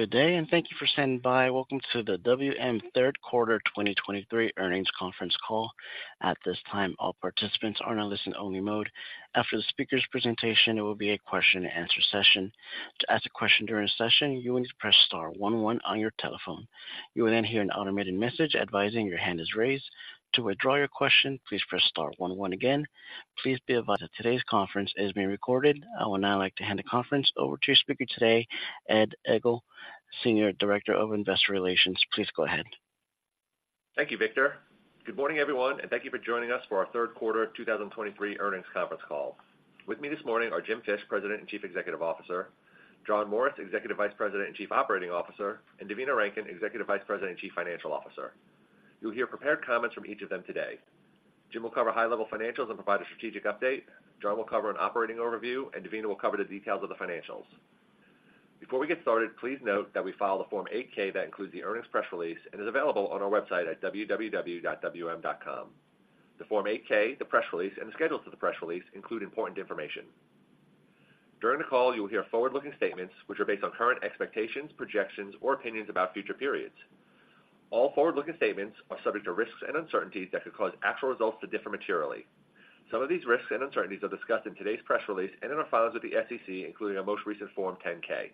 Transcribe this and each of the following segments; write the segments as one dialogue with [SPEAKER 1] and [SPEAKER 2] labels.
[SPEAKER 1] Good day, and thank you for standing by. Welcome to the WM Third Quarter 2023 Earnings Conference Call. At this time, all participants are in a listen-only mode. After the speaker's presentation, there will be a question-and-answer session. To ask a question during the session, you will need to press star one one on your telephone. You will then hear an automated message advising your hand is raised. To withdraw your question, please press star one one again. Please be advised that today's conference is being recorded. I would now like to hand the conference over to your speaker today, Ed Egl, Senior Director of Investor Relations. Please go ahead.
[SPEAKER 2] Thank you, Victor. Good morning, everyone, and thank you for joining us for our third quarter 2023 earnings conference call. With me this morning are Jim Fish, President and Chief Executive Officer, John Morris, Executive Vice President and Chief Operating Officer, and Devina Rankin, Executive Vice President and Chief Financial Officer. You'll hear prepared comments from each of them today. Jim will cover high-level financials and provide a strategic update. John will cover an operating overview, and Devina will cover the details of the financials. Before we get started, please note that we file a Form 8-K that includes the earnings press release and is available on our website at www.wm.com. The Form 8-K, the press release, and the schedule to the press release include important information. During the call, you will hear forward-looking statements, which are based on current expectations, projections, or opinions about future periods. All forward-looking statements are subject to risks and uncertainties that could cause actual results to differ materially. Some of these risks and uncertainties are discussed in today's press release and in our filings with the SEC, including our most recent Form 10-K.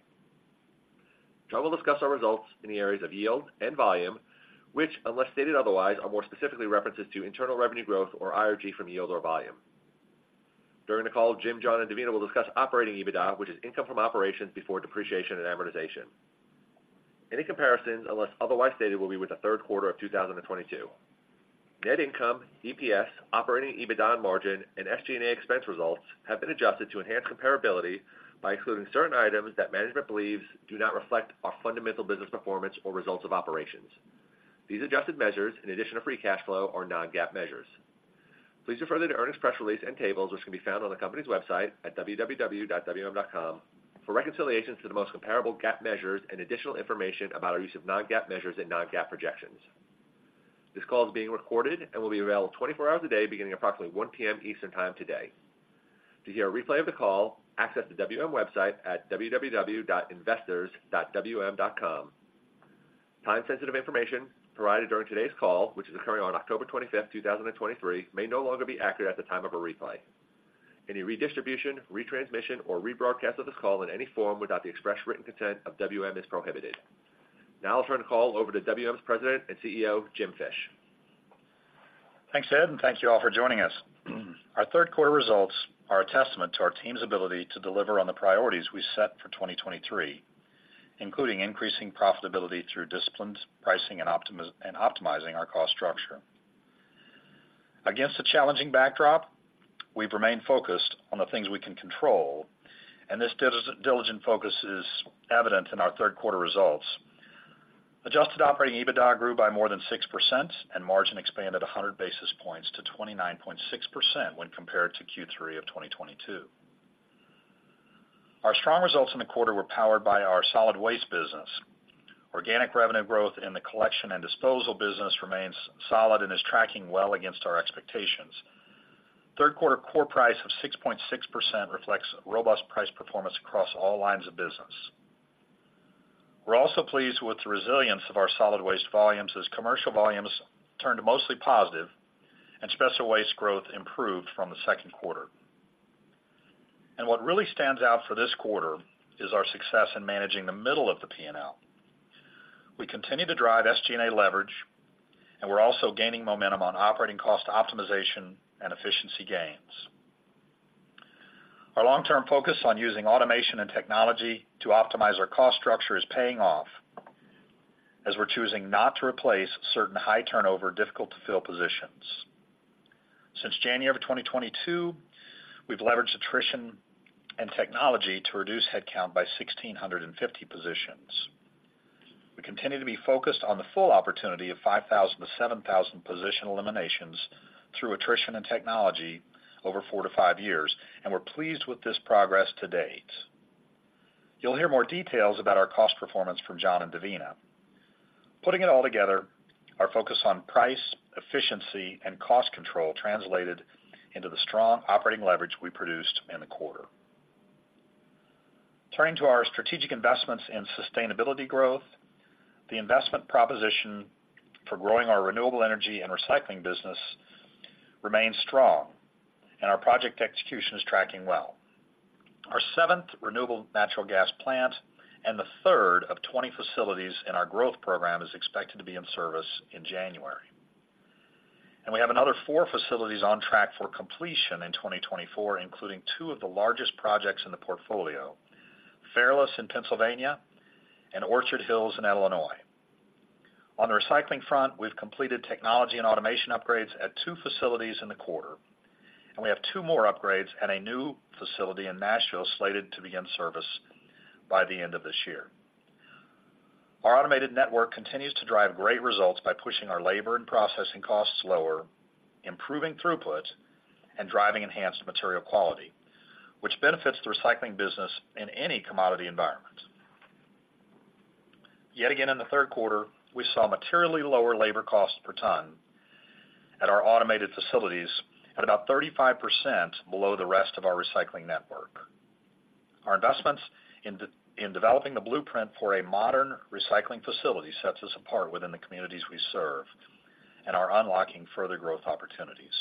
[SPEAKER 2] John will discuss our results in the areas of yield and volume, which, unless stated otherwise, are more specifically references to internal revenue growth or IRG from yield or volume. During the call, Jim, John, and Devina will discuss operating EBITDA, which is income from operations before depreciation and amortization. Any comparisons, unless otherwise stated, will be with the third quarter of 2022. Net income, EPS, operating EBITDA margin, and SG&A expense results have been adjusted to enhance comparability by excluding certain items that management believes do not reflect our fundamental business performance or results of operations. These adjusted measures, in addition to free cash flow, are non-GAAP measures. Please refer further to earnings press release and tables, which can be found on the company's website at www.wm.com for reconciliations to the most comparable GAAP measures and additional information about our use of non-GAAP measures and non-GAAP projections. This call is being recorded and will be available 24 hours a day, beginning at approximately 1 P.M. Eastern Time today. To hear a replay of the call, access the WM website at www.investors.wm.com. Time-sensitive information provided during today's call, which is occurring on October 25th, 2023, may no longer be accurate at the time of a replay. Any redistribution, retransmission, or rebroadcast of this call in any form without the express written consent of WM is prohibited. Now I'll turn the call over to WM's President and CEO, Jim Fish.
[SPEAKER 3] Thanks, Ed, and thank you all for joining us. Our third quarter results are a testament to our team's ability to deliver on the priorities we set for 2023, including increasing profitability through disciplined pricing and optimizing our cost structure. Against a challenging backdrop, we've remained focused on the things we can control, and this diligent focus is evident in our third quarter results. Adjusted operating EBITDA grew by more than 6%, and margin expanded 100 basis points to 29.6% when compared to Q3 of 2022. Our strong results in the quarter were powered by our solid waste business. Organic revenue growth in the collection and disposal business remains solid and is tracking well against our expectations. Third quarter Core Price of 6.6% reflects robust price performance across all lines of business. We're also pleased with the resilience of our solid waste volumes as commercial volumes turned mostly positive and special waste growth improved from the second quarter. What really stands out for this quarter is our success in managing the middle of the P&L. We continue to drive SG&A leverage, and we're also gaining momentum on operating cost optimization and efficiency gains. Our long-term focus on using automation and technology to optimize our cost structure is paying off as we're choosing not to replace certain high-turnover, difficult-to-fill positions. Since January of 2022, we've leveraged attrition and technology to reduce headcount by 1,650 positions. We continue to be focused on the full opportunity of 5,000-7,000 position eliminations through attrition and technology over 4-5 years, and we're pleased with this progress to date. You'll hear more details about our cost performance from John and Devina. Putting it all together, our focus on price, efficiency, and cost control translated into the strong operating leverage we produced in the quarter. Turning to our strategic investments in sustainability growth, the investment proposition for growing our renewable energy and recycling business remains strong, and our project execution is tracking well. Our seventh renewable natural gas plant and the third of 20 facilities in our growth program is expected to be in service in January. We have another four facilities on track for completion in 2024, including two of the largest projects in the portfolio, Fairless in Pennsylvania and Orchard Hills in Illinois. On the recycling front, we've completed technology and automation upgrades at two facilities in the quarter, and we have two more upgrades at a new facility in Nashville, slated to be in service by the end of this year. Our automated network continues to drive great results by pushing our labor and processing costs lower, improving throughput, and driving enhanced material quality, which benefits the recycling business in any commodity environment. Yet again, in the third quarter, we saw materially lower labor costs per ton at our automated facilities at about 35% below the rest of our recycling network. Our investments in developing the blueprint for a modern recycling facility sets us apart within the communities we serve and are unlocking further growth opportunities.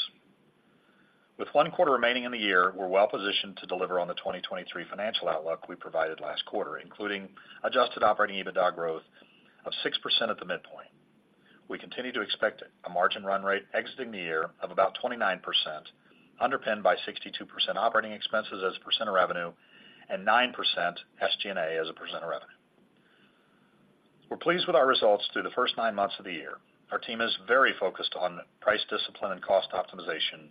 [SPEAKER 3] With one quarter remaining in the year, we're well positioned to deliver on the 2023 financial outlook we provided last quarter, including adjusted operating EBITDA growth of 6% at the midpoint. We continue to expect a margin run rate exiting the year of about 29%, underpinned by 62% operating expenses as a percent of revenue, and 9% SG&A as a percent of revenue. We're pleased with our results through the first 9 months of the year. Our team is very focused on price discipline and cost optimization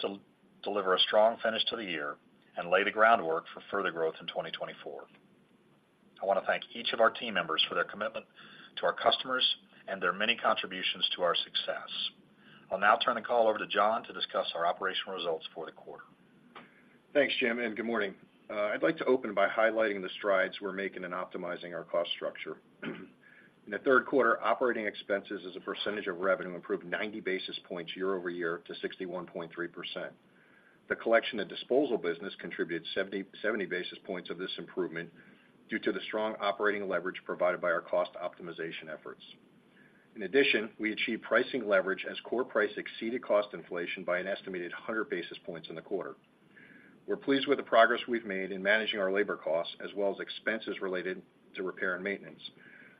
[SPEAKER 3] to deliver a strong finish to the year and lay the groundwork for further growth in 2024. I want to thank each of our team members for their commitment to our customers and their many contributions to our success. I'll now turn the call over to John to discuss our operational results for the quarter.
[SPEAKER 4] Thanks, Jim, and good morning. I'd like to open by highlighting the strides we're making in optimizing our cost structure. In the third quarter, operating expenses as a percentage of revenue improved 90 basis points year over year to 61.3%. The collection and disposal business contributed 70 basis points of this improvement due to the strong operating leverage provided by our cost optimization efforts. In addition, we achieved pricing leverage as core price exceeded cost inflation by an estimated 100 basis points in the quarter. We're pleased with the progress we've made in managing our labor costs, as well as expenses related to repair and maintenance.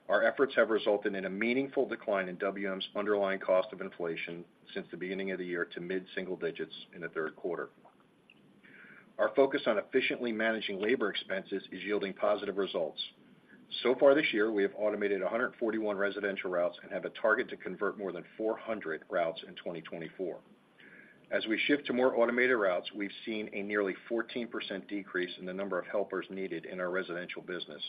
[SPEAKER 4] Our efforts have resulted in a meaningful decline in WM's underlying cost of inflation since the beginning of the year to mid-single digits in the third quarter. Our focus on efficiently managing labor expenses is yielding positive results. So far this year, we have automated 141 residential routes and have a target to convert more than 400 routes in 2024. As we shift to more automated routes, we've seen a nearly 14% decrease in the number of helpers needed in our residential business.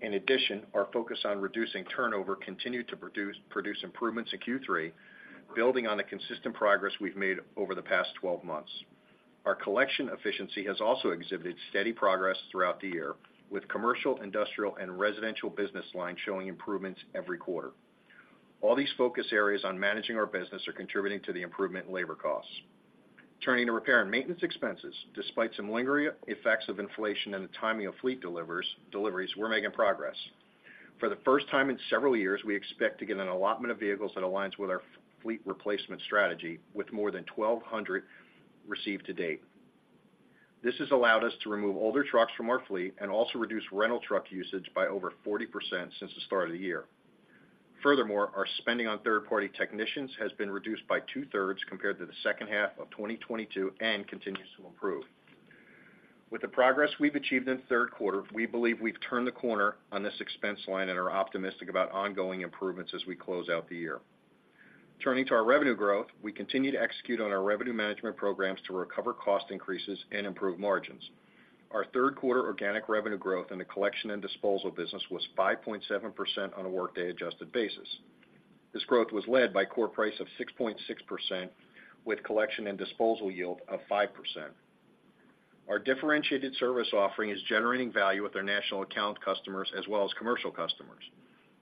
[SPEAKER 4] In addition, our focus on reducing turnover continued to produce, produce improvements in Q3, building on the consistent progress we've made over the past 12 months. Our collection efficiency has also exhibited steady progress throughout the year, with commercial, industrial, and residential business lines showing improvements every quarter. All these focus areas on managing our business are contributing to the improvement in labor costs. Turning to repair and maintenance expenses. Despite some lingering effects of inflation and the timing of fleet delivers, deliveries, we're making progress. For the first time in several years, we expect to get an allotment of vehicles that aligns with our fleet replacement strategy, with more than 1,200 received to date. This has allowed us to remove older trucks from our fleet and also reduce rental truck usage by over 40% since the start of the year. Furthermore, our spending on third-party technicians has been reduced by two-thirds compared to the second half of 2022 and continues to improve. With the progress we've achieved in the third quarter, we believe we've turned the corner on this expense line and are optimistic about ongoing improvements as we close out the year. Turning to our revenue growth, we continue to execute on our revenue management programs to recover cost increases and improve margins. Our third quarter organic revenue growth in the collection and disposal business was 5.7% on a workday-adjusted basis. This growth was led by core price of 6.6%, with collection and disposal yield of 5%. Our differentiated service offering is generating value with our national account customers as well as commercial customers.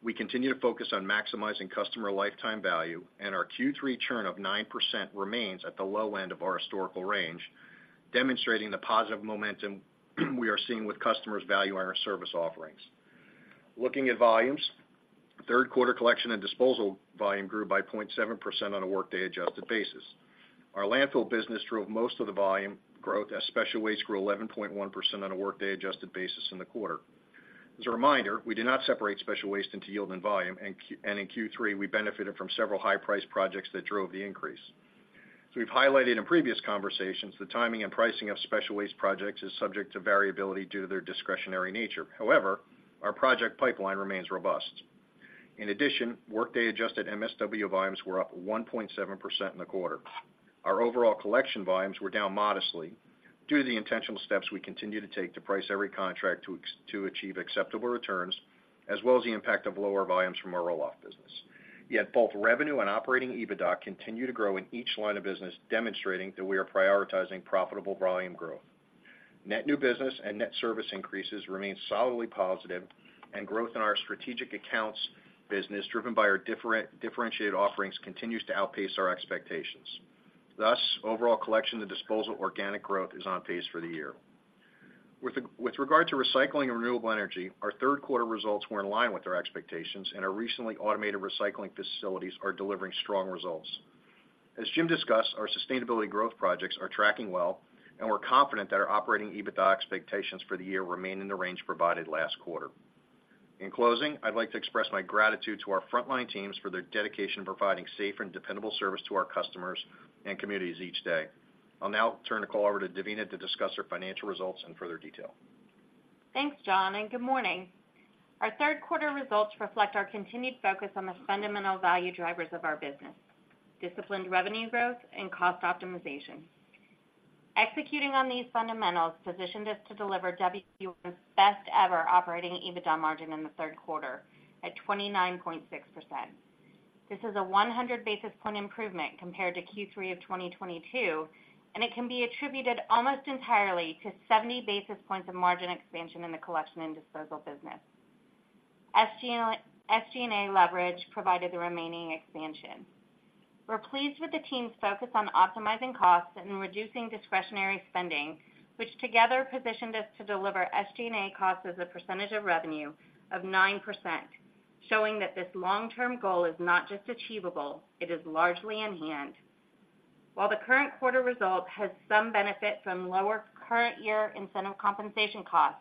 [SPEAKER 4] We continue to focus on maximizing customer lifetime value, and our Q3 churn of 9% remains at the low end of our historical range, demonstrating the positive momentum we are seeing with customers valuing our service offerings. Looking at volumes, third quarter collection and disposal volume grew by 0.7% on a workday-adjusted basis. Our landfill business drove most of the volume growth as special waste grew 11.1% on a workday-adjusted basis in the quarter. As a reminder, we did not separate Special Waste into yield and volume, and in Q3, we benefited from several high-priced projects that drove the increase. As we've highlighted in previous conversations, the timing and pricing of Special Waste projects is subject to variability due to their discretionary nature. However, our project pipeline remains robust. In addition, workday-adjusted MSW volumes were up 1.7% in the quarter. Our overall collection volumes were down modestly due to the intentional steps we continue to take to price every contract to achieve acceptable returns, as well as the impact of lower volumes from our roll-off business. Yet both revenue and operating EBITDA continue to grow in each line of business, demonstrating that we are prioritizing profitable volume growth. Net new business and net service increases remain solidly positive, and growth in our strategic accounts business, driven by our differentiated offerings, continues to outpace our expectations. Thus, overall collection and disposal organic growth is on pace for the year. With regard to recycling and renewable energy, our third quarter results were in line with our expectations, and our recently automated recycling facilities are delivering strong results. As Jim discussed, our sustainability growth projects are tracking well, and we're confident that our operating EBITDA expectations for the year remain in the range provided last quarter. In closing, I'd like to express my gratitude to our frontline teams for their dedication in providing safe and dependable service to our customers and communities each day. I'll now turn the call over to Devina to discuss our financial results in further detail.
[SPEAKER 5] Thanks, John, and good morning. Our third quarter results reflect our continued focus on the fundamental value drivers of our business: disciplined revenue growth and cost optimization. Executing on these fundamentals positioned us to deliver WM's best-ever operating EBITDA margin in the third quarter at 29.6%. This is a 100 basis point improvement compared to Q3 of 2022, and it can be attributed almost entirely to 70 basis points of margin expansion in the collection and disposal business. SG&A leverage provided the remaining expansion. We're pleased with the team's focus on optimizing costs and reducing discretionary spending, which together positioned us to deliver SG&A costs as a percentage of revenue of 9%, showing that this long-term goal is not just achievable, it is largely in hand. While the current quarter result has some benefit from lower current year incentive compensation costs,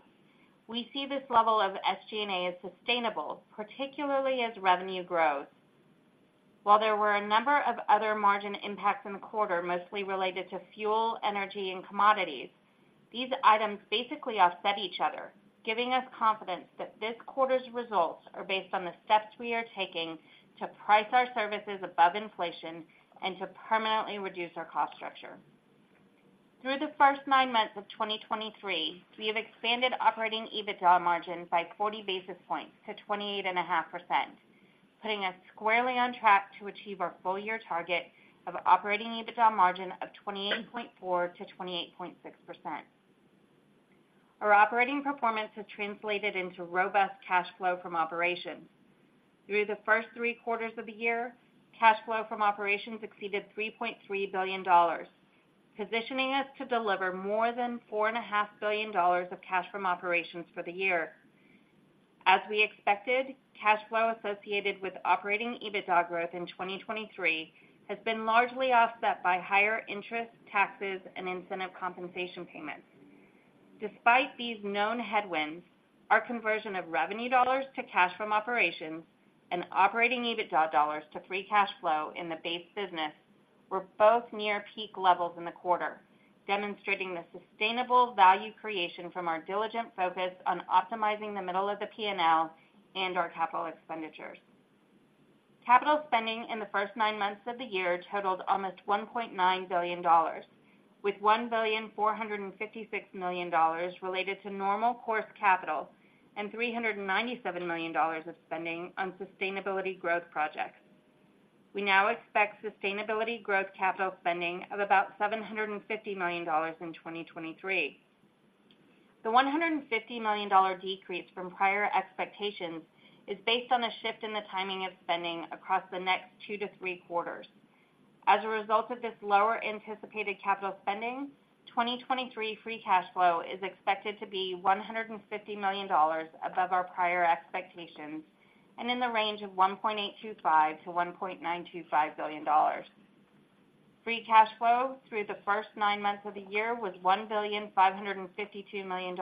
[SPEAKER 5] we see this level of SG&A as sustainable, particularly as revenue grows. While there were a number of other margin impacts in the quarter, mostly related to fuel, energy, and commodities, these items basically offset each other, giving us confidence that this quarter's results are based on the steps we are taking to price our services above inflation and to permanently reduce our cost structure. Through the first nine months of 2023, we have expanded operating EBITDA margin by 40 basis points to 28.5%, putting us squarely on track to achieve our full year target of operating EBITDA margin of 28.4%-28.6%. Our operating performance has translated into robust cash flow from operations. Through the first three quarters of the year, cash flow from operations exceeded $3.3 billion, positioning us to deliver more than $4.5 billion of cash from operations for the year. As we expected, cash flow associated with operating EBITDA growth in 2023 has been largely offset by higher interest, taxes, and incentive compensation payments. Despite these known headwinds, our conversion of revenue dollars to cash from operations and operating EBITDA dollars to free cash flow in the base business were both near peak levels in the quarter, demonstrating the sustainable value creation from our diligent focus on optimizing the middle of the P&L and our capital expenditures. Capital spending in the first nine months of the year totaled almost $1.9 billion, with $1.456 billion related to normal course capital and $397 million of spending on sustainability growth projects. We now expect sustainability growth capital spending of about $750 million in 2023. The $150 million decrease from prior expectations is based on a shift in the timing of spending across the next two to three quarters. As a result of this lower anticipated capital spending, 2023 free cash flow is expected to be $150 million above our prior expectations, and in the range of $1.825-$1.925 billion. Free cash flow through the first nine months of the year was $1.552 billion,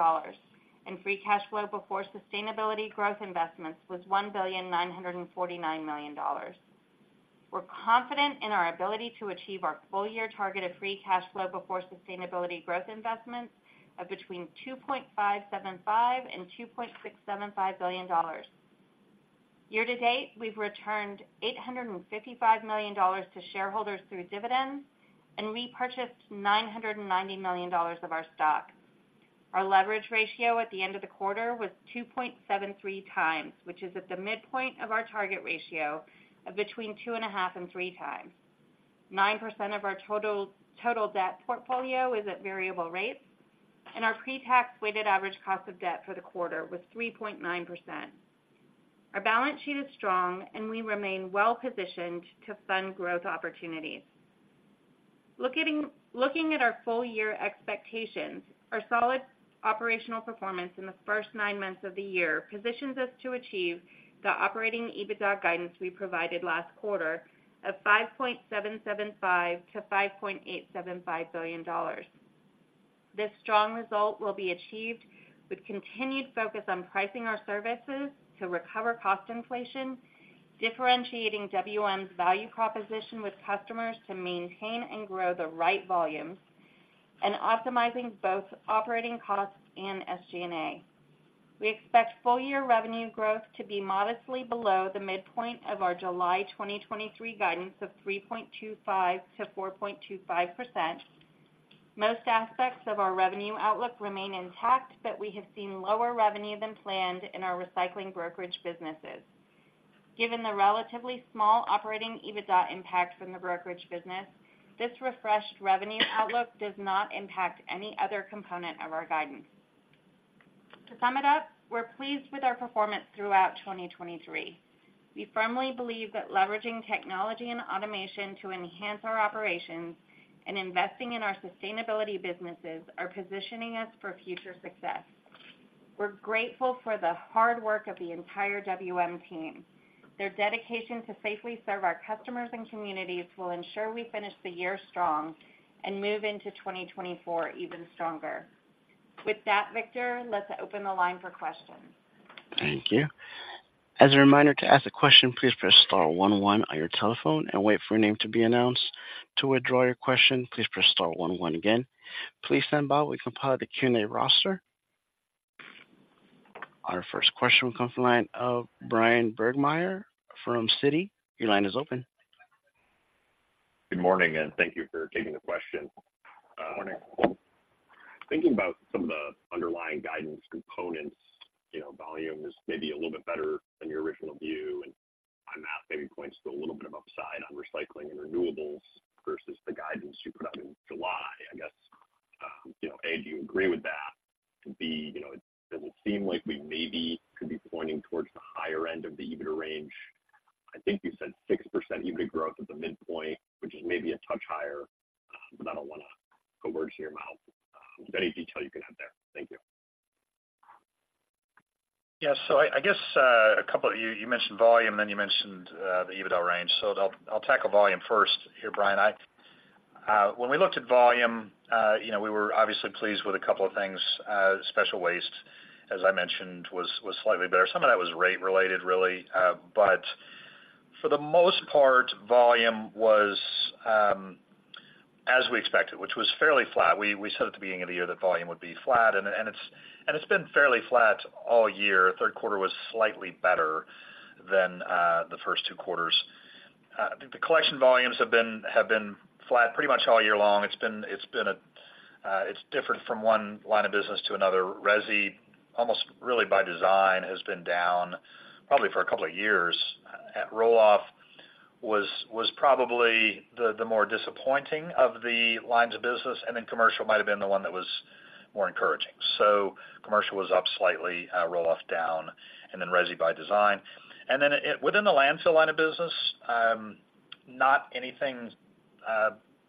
[SPEAKER 5] and free cash flow before sustainability growth investments was $1.949 billion. We're confident in our ability to achieve our full year target of free cash flow before sustainability growth investments of between $2.575-$2.675 billion. Year to date, we've returned $855 million to shareholders through dividends and repurchased $990 million of our stock. Our leverage ratio at the end of the quarter was 2.73 times, which is at the midpoint of our target ratio of between 2.5 and 3 times. 9% of our total debt portfolio is at variable rates, and our pretax weighted average cost of debt for the quarter was 3.9%. Our balance sheet is strong, and we remain well-positioned to fund growth opportunities. Looking at our full year expectations, our solid operational performance in the first nine months of the year positions us to achieve the operating EBITDA guidance we provided last quarter of $5.775 billion-$5.875 billion. This strong result will be achieved with continued focus on pricing our services to recover cost inflation, differentiating WM's value proposition with customers to maintain and grow the right volumes, and optimizing both operating costs and SG&A. We expect full year revenue growth to be modestly below the midpoint of our July 2023 guidance of 3.25%-4.25%. Most aspects of our revenue outlook remain intact, but we have seen lower revenue than planned in our recycling brokerage businesses. Given the relatively small operating EBITDA impact from the brokerage business, this refreshed revenue outlook does not impact any other component of our guidance. To sum it up, we're pleased with our performance throughout 2023. We firmly believe that leveraging technology and automation to enhance our operations and investing in our sustainability businesses are positioning us for future success. We're grateful for the hard work of the entire WM team. Their dedication to safely serve our customers and communities will ensure we finish the year strong and move into 2024 even stronger. With that, Victor, let's open the line for questions.
[SPEAKER 1] Thank you. As a reminder, to ask a question, please press star one one on your telephone and wait for your name to be announced. To withdraw your question, please press star one one again. Please stand by. We compiled the Q&A roster. Our first question will come from the line of Brian Bergmeyer from Citi. Your line is open.
[SPEAKER 6] Good morning, and thank you for taking the question.
[SPEAKER 5] Good morning.
[SPEAKER 6] Thinking about some of the underlying guidance components, you know, volume is maybe a little bit better than your original view, and points to a little bit of upside on recycling and renewables versus the guidance you put out in July. I guess, you know, A, do you agree with that? B, you know, does it seem like we maybe could be pointing towards the higher end of the EBITDA range? I think you said 6% EBITDA growth at the midpoint, which is maybe a touch higher, but I don't want to put words in your mouth. Any detail you can add there? Thank you.
[SPEAKER 3] Yeah. So I, I guess, a couple of you, you mentioned volume, then you mentioned, the EBITDA range. So I'll, I'll tackle volume first here, Brian. I, when we looked at volume, you know, we were obviously pleased with a couple of things. Special Waste, as I mentioned, was, was slightly better. Some of that was rate related, really. But for the most part, volume was, as we expected, which was fairly flat. We, we said at the beginning of the year that volume would be flat, and it, and it's, and it's been fairly flat all year. Third quarter was slightly better than, the first two quarters. The collection volumes have been, have been flat pretty much all year long. It's been, it's been a It's different from one line of business to another. Resi, almost really by design, has been down probably for a couple of years. Roll-off was probably the more disappointing of the lines of business, and then commercial might have been the one that was more encouraging. So commercial was up slightly, roll-off down, and then resi by design. And then within the landfill line of business, not anything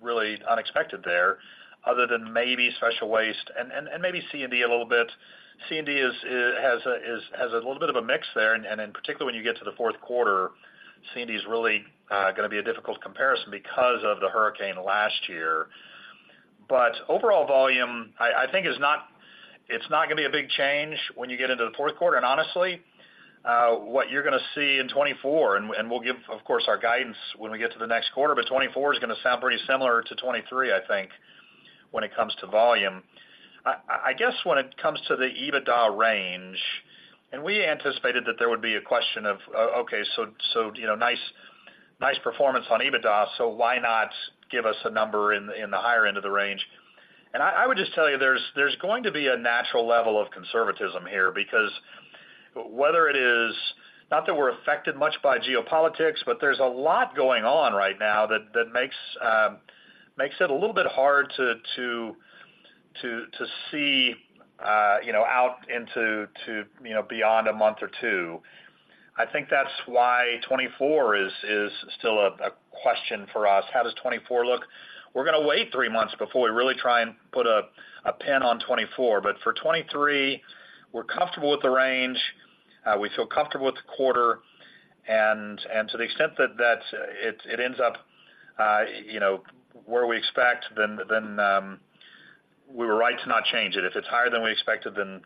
[SPEAKER 3] really unexpected there, other than maybe Special Waste and maybe C&D a little bit. C&D has a little bit of a mix there, and then particularly, when you get to the fourth quarter, C&D is really going to be a difficult comparison because of the hurricane last year. But overall volume, I think, is not. It's not going to be a big change when you get into the fourth quarter. Honestly, what you're going to see in 2024, and we'll give, of course, our guidance when we get to the next quarter, but 2024 is going to sound pretty similar to 2023, I think, when it comes to volume. I guess when it comes to the EBITDA range, and we anticipated that there would be a question of, okay, so you know, nice performance on EBITDA, so why not give us a number in the higher end of the range? And I would just tell you, there's going to be a natural level of conservatism here because whether it is Not that we're affected much by geopolitics, but there's a lot going on right now that makes it a little bit hard to see, you know, out into, you know, beyond a month or two. I think that's why 2024 is still a question for us. How does 2024 look? We're going to wait three months before we really try and put a pin on 2024, but for 2023, we're comfortable with the range. We feel comfortable with the quarter, and to the extent that it ends up, you know, where we expect, then we were right to not change it. If it's higher than we expected, then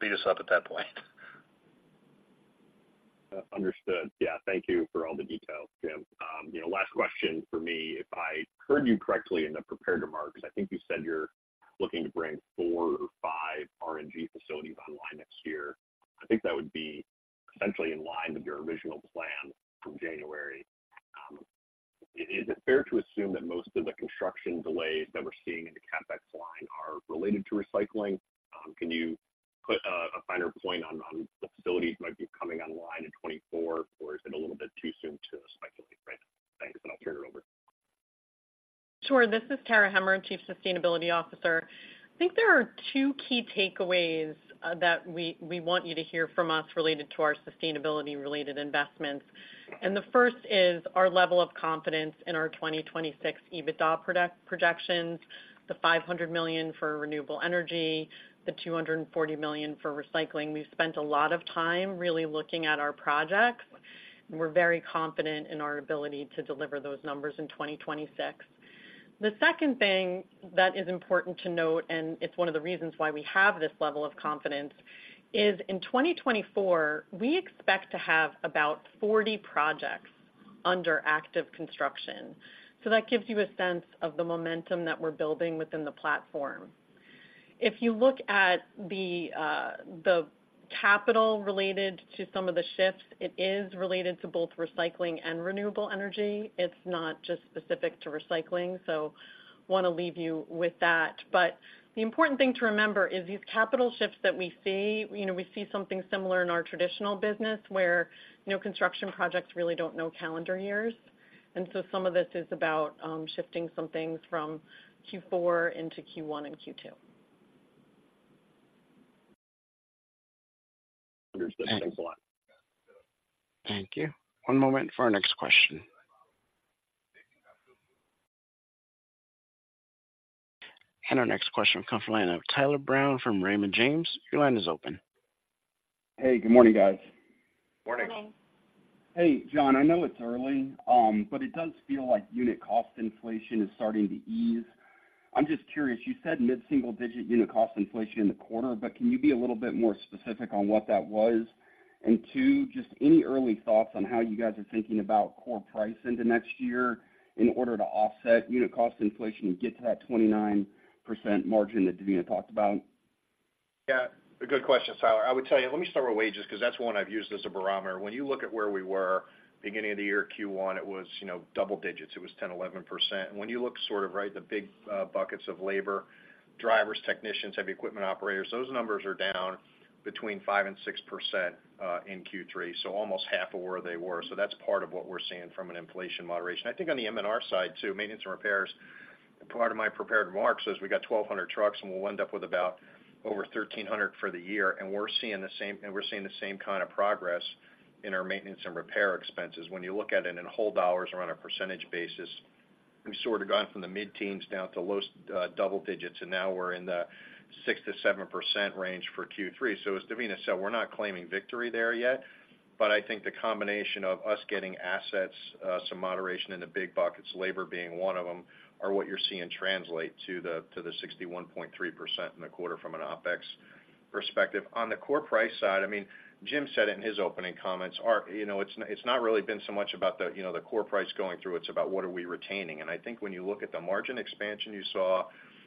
[SPEAKER 3] beat us up at that point.
[SPEAKER 6] Understood. Yeah, thank you for all the detail, Jim. You know, last question for me. If I heard you correctly in the prepared remarks, I think you said you're looking to bring four or five RNG facilities online next year. I think that would be essentially in line with your original plan from January. Is it fair to assume that most of the construction delays that we're seeing in the CapEx line are related to recycling? Can you put a finer point on the facilities might be coming online in 2024, or is it a little bit too soon to speculate right now? Thanks, and I'll turn it over.
[SPEAKER 7] Sure. This is Tara Hemmer, Chief Sustainability Officer. I think there are two key takeaways that we want you to hear from us related to our sustainability-related investments. The first is our level of confidence in our 2026 EBITDA projections, the $500 million for renewable energy, the $240 million for recycling. We've spent a lot of time really looking at our projects, and we're very confident in our ability to deliver those numbers in 2026. The second thing that is important to note, and it's one of the reasons why we have this level of confidence, is in 2024, we expect to have about 40 projects under active construction. So that gives you a sense of the momentum that we're building within the platform. If you look at the capital related to some of the shifts, it is related to both recycling and renewable energy. It's not just specific to recycling, so want to leave you with that. But the important thing to remember is these capital shifts that we see, you know, we see something similar in our traditional business, where new construction projects really don't know calendar years. And so some of this is about shifting some things from Q4 into Q1 and Q2.
[SPEAKER 6] Understood. Thanks a lot.
[SPEAKER 1] Thank you. One moment for our next question. Our next question will come from the line of Tyler Brown from Raymond James. Your line is open.
[SPEAKER 3] Hey, good morning, guys.
[SPEAKER 6] Morning.
[SPEAKER 7] Morning.
[SPEAKER 8] Hey, John, I know it's early, but it does feel like unit cost inflation is starting to ease. I'm just curious, you said mid-single digit unit cost inflation in the quarter, but can you be a little bit more specific on what that was? And two, just any early thoughts on how you guys are thinking about Core Price into next year in order to offset unit cost inflation and get to that 29% margin that Devina talked about?
[SPEAKER 3] Yeah, a good question, Tyler. I would tell you, let me start with wages, because that's one I've used as a barometer. When you look at where we were beginning of the year, Q1, it was, you know, double digits. It was 10, 11%. When you look sort of right, the big buckets of labor, drivers, technicians, heavy equipment operators, those numbers are down between 5%-6% in Q3, so almost half of where they were. So that's part of what we're seeing from an inflation moderation. I think on the M&R side, too, maintenance and repairs part of my prepared remarks is we got 1,200 trucks, and we'll end up with about over 1,300 for the year, and we're seeing the same, and we're seeing the same kind of progress in our maintenance and repair expenses. When you look at it in whole dollars around a percentage basis, we've sort of gone from the mid-teens down to low double digits, and now we're in the 6%-7% range for Q3. So as Devina said, we're not claiming victory there yet, but I think the combination of us getting assets some moderation in the big buckets, labor being one of them, are what you're seeing translate to the 61.3% in the quarter from an OpEx perspective. On the core price side, I mean, Jim said it in his opening comments. Our, you know, it's, it's not really been so much about the, you know, the Core Price going through, it's about what are we retaining. I think when you look at the margin expansion you saw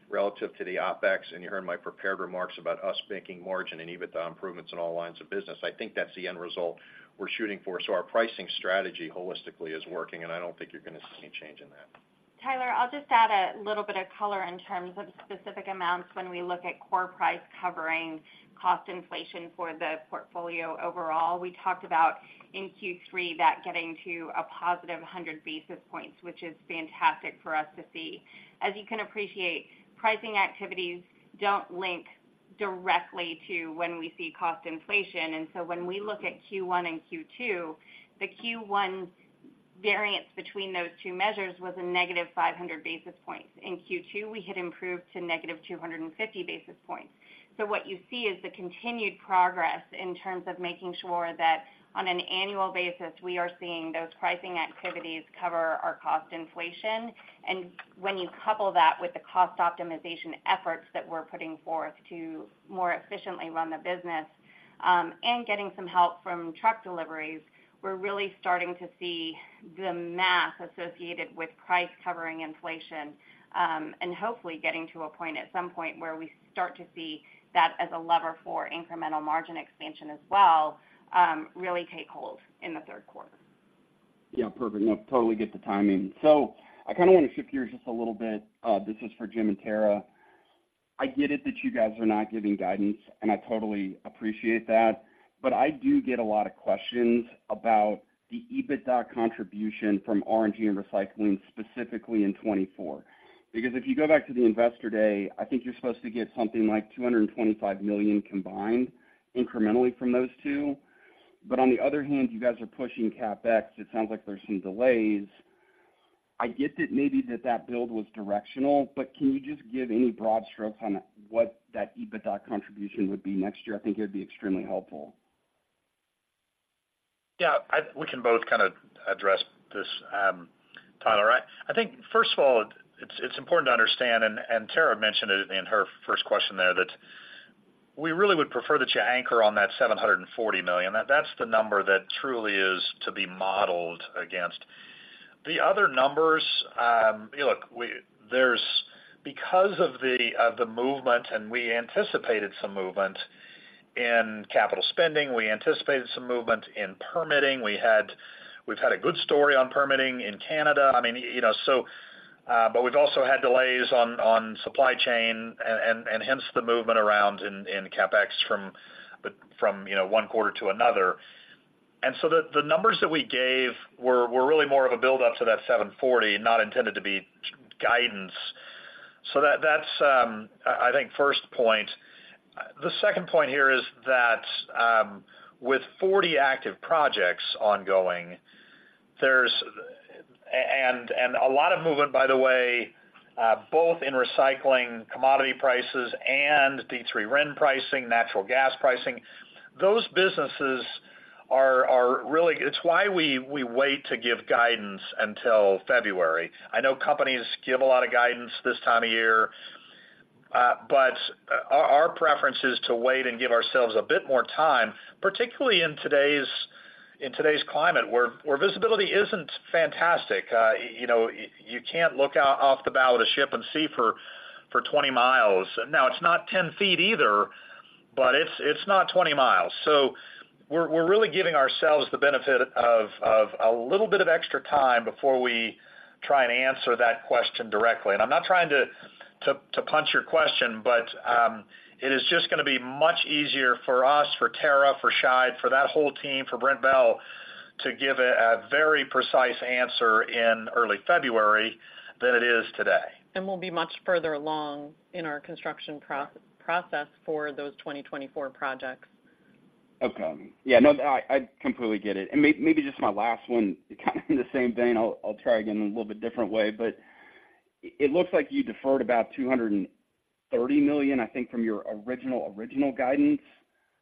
[SPEAKER 3] relative to the OpEx, and you heard my prepared remarks about us making margin and EBITDA improvements in all lines of business, I think that's the end result we're shooting for. Our pricing strategy holistically is working, and I don't think you're gonna see any change in that.
[SPEAKER 5] Tyler, I'll just add a little bit of color in terms of specific amounts when we look at core price covering cost inflation for the portfolio overall. We talked about in Q3 that getting to a positive 100 basis points, which is fantastic for us to see. As you can appreciate, pricing activities don't link directly to when we see cost inflation, and so when we look at Q1 and Q2, the Q1 variance between those two measures was a negative 500 basis points. In Q2, we had improved to negative 250 basis points. So what you see is the continued progress in terms of making sure that on an annual basis, we are seeing those pricing activities cover our cost inflation. And when you couple that with the cost optimization efforts that we're putting forth to more efficiently run the business, and getting some help from truck deliveries, we're really starting to see the math associated with price covering inflation, and hopefully getting to a point at some point where we start to see that as a lever for incremental margin expansion as well, really take hold in the third quarter.
[SPEAKER 8] Yeah, perfect. No, totally get the timing. So I kind of want to shift gears just a little bit. This is for Jim and Tara. I get it that you guys are not giving guidance, and I totally appreciate that, but I do get a lot of questions about the EBITDA contribution from RNG and recycling, specifically in 2024. Because if you go back to the Investor Day, I think you're supposed to get something like $225 million combined incrementally from those two. But on the other hand, you guys are pushing CapEx. It sounds like there's some delays. I get that maybe that, that build was directional, but can you just give any broad strokes on what that EBITDA contribution would be next year? I think it'd be extremely helpful.
[SPEAKER 3] Yeah, we can both kind of address this, Tyler. I think first of all, it's important to understand, and Tara mentioned it in her first question there, that we really would prefer that you anchor on that $740 million. That's the number that truly is to be modeled against. The other numbers, look, there's because of the movement, and we anticipated some movement in capital spending, we anticipated some movement in permitting. We've had a good story on permitting in Canada. I mean, you know, so, but we've also had delays on supply chain and hence the movement around in CapEx from one quarter to another. The numbers that we gave were really more of a build up to that $740, not intended to be guidance. So that's, I think, the first point. The second point here is that with 40 active projects ongoing, there's a lot of movement, by the way, both in recycling commodity prices and D3 RIN pricing, natural gas pricing. Those businesses are really, it's why we wait to give guidance until February. I know companies give a lot of guidance this time of year, but our preference is to wait and give ourselves a bit more time, particularly in today's climate, where visibility isn't fantastic. You know, you can't look out off the bow of the ship and see for 20 miles. Now, it's not 10 feet either, but it's not 20 miles. So we're really giving ourselves the benefit of a little bit of extra time before we try and answer that question directly. And I'm not trying to punch your question, but it is just gonna be much easier for us, for Tara, for Shai, for that whole team, for Brent Bell, to give a very precise answer in early February than it is today.
[SPEAKER 7] We'll be much further along in our construction process for those 2024 projects.
[SPEAKER 8] Okay. Yeah, no, I completely get it. And maybe just my last one, kind of the same vein. I'll try again in a little bit different way, but it looks like you deferred about $230 million, I think, from your original guidance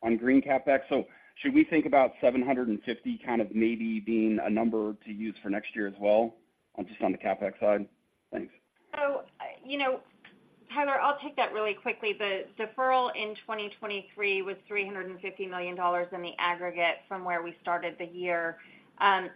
[SPEAKER 8] on green CapEx. So should we think about $750 kind of maybe being a number to use for next year as well, just on the CapEx side? Thanks.
[SPEAKER 5] So, you know, Tyler, I'll take that really quickly. The deferral in 2023 was $350 million in the aggregate from where we started the year.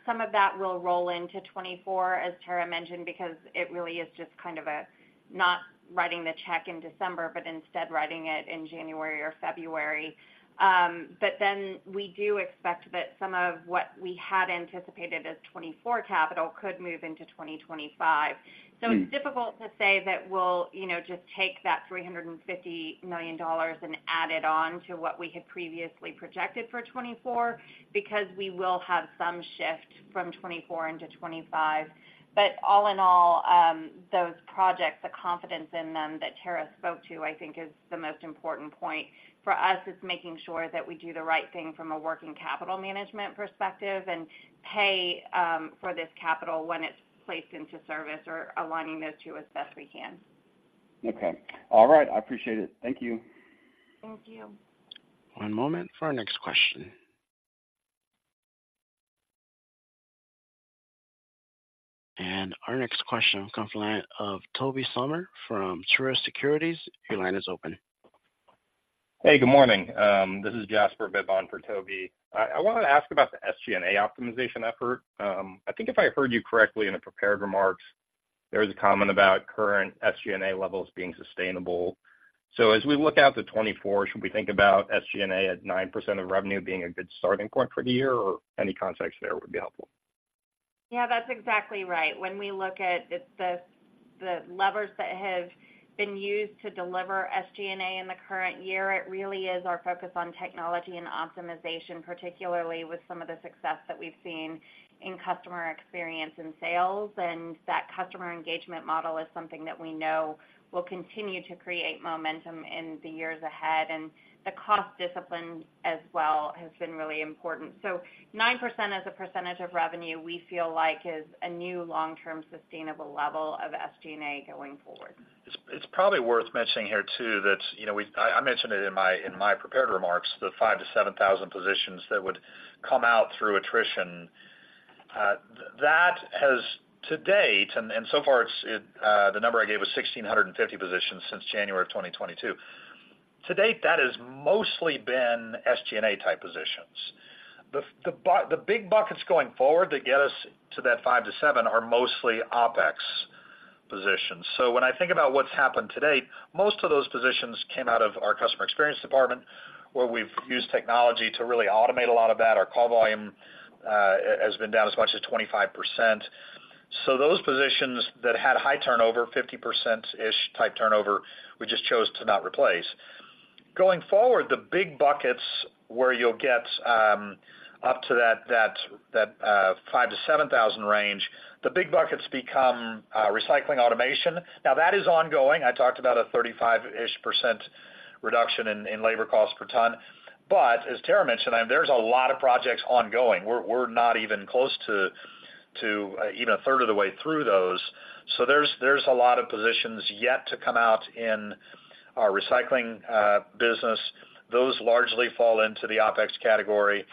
[SPEAKER 5] Some of that will roll into 2024, as Tara mentioned, because it really is just kind of a not writing the check in December, but instead writing it in January or February. But then we do expect that some of what we had anticipated as 2024 capital could move into 2025. So it's difficult to say that we'll, you know, just take that $350 million and add it on to what we had previously projected for 2024, because we will have some shift from 2024 into 2025. But all in all, those projects, the confidence in them that Tara spoke to, I think is the most important point. For us, it's making sure that we do the right thing from a working capital management perspective and pay for this capital when it's placed into service or aligning those two as best we can.
[SPEAKER 8] Okay. All right, I appreciate it. Thank you.
[SPEAKER 5] Thank you.
[SPEAKER 1] One moment for our next question. Our next question comes from the line of Toby Sommer from Truist Securities. Your line is open.
[SPEAKER 9] Hey, good morning. This is Jasper Bibb for Toby. I wanted to ask about the SG&A optimization effort. I think if I heard you correctly in the prepared remarks, there was a comment about current SG&A levels being sustainable. So as we look out to 2024, should we think about SG&A at 9% of revenue being a good starting point for the year, or any context there would be helpful?
[SPEAKER 5] Yeah, that's exactly right. When we look at the levers that have been used to deliver SG&A in the current year, it really is our focus on technology and optimization, particularly with some of the success that we've seen in customer experience and sales, and that customer engagement model is something that we know will continue to create momentum in the years ahead, and the cost discipline as well has been really important. So 9% as a percentage of revenue, we feel like is a new long-term sustainable level of SG&A going forward.
[SPEAKER 3] It's probably worth mentioning here, too, that, you know, we, I mentioned it in my, in my prepared remarks, the 5,000-7,000 positions that would come out through attrition. That has to date, and so far, it's the number I gave was 1,650 positions since January of 2022. To date, that has mostly been SG&A type positions. The big buckets going forward that get us to that 5,000-7,000 are mostly OpEx positions. So when I think about what's happened to date, most of those positions came out of our customer experience department, where we've used technology to really automate a lot of that. Our call volume has been down as much as 25%. So those positions that had high turnover, 50%-ish type turnover, we just chose to not replace. Going forward, the big buckets where you'll get up to that 5,000-7,000 range, the big buckets become recycling automation. Now, that is ongoing. I talked about a 35%-ish reduction in labor costs per ton. But as Tara mentioned, there's a lot of projects ongoing. We're not even close to even a third of the way through those. So there's a lot of positions yet to come out in our recycling business. Those largely fall into the OpEx category.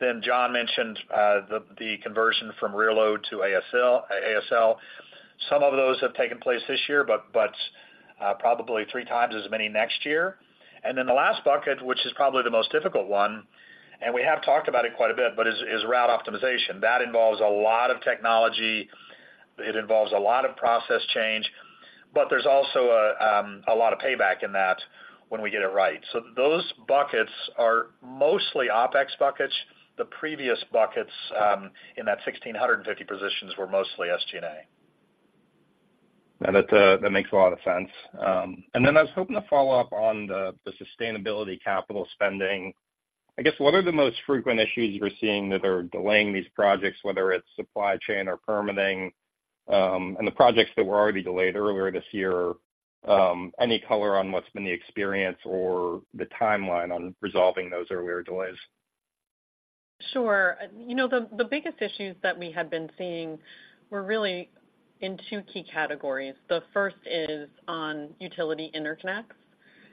[SPEAKER 3] Then John mentioned the conversion from rear load to ASL, ASL. Some of those have taken place this year, but probably three times as many next year. And then the last bucket, which is probably the most difficult one, and we have talked about it quite a bit, but is route optimization. That involves a lot of technology, it involves a lot of process change, but there's also a lot of payback in that when we get it right. So those buckets are mostly OpEx buckets. The previous buckets, in that 1,650 positions were mostly SG&A.
[SPEAKER 9] And that makes a lot of sense. And then I was hoping to follow up on the sustainability capital spending. I guess, what are the most frequent issues you're seeing that are delaying these projects, whether it's supply chain or permitting, and the projects that were already delayed earlier this year, any color on what's been the experience or the timeline on resolving those earlier delays?
[SPEAKER 7] Sure. You know, the biggest issues that we had been seeing were really in two key categories. The first is on utility interconnects,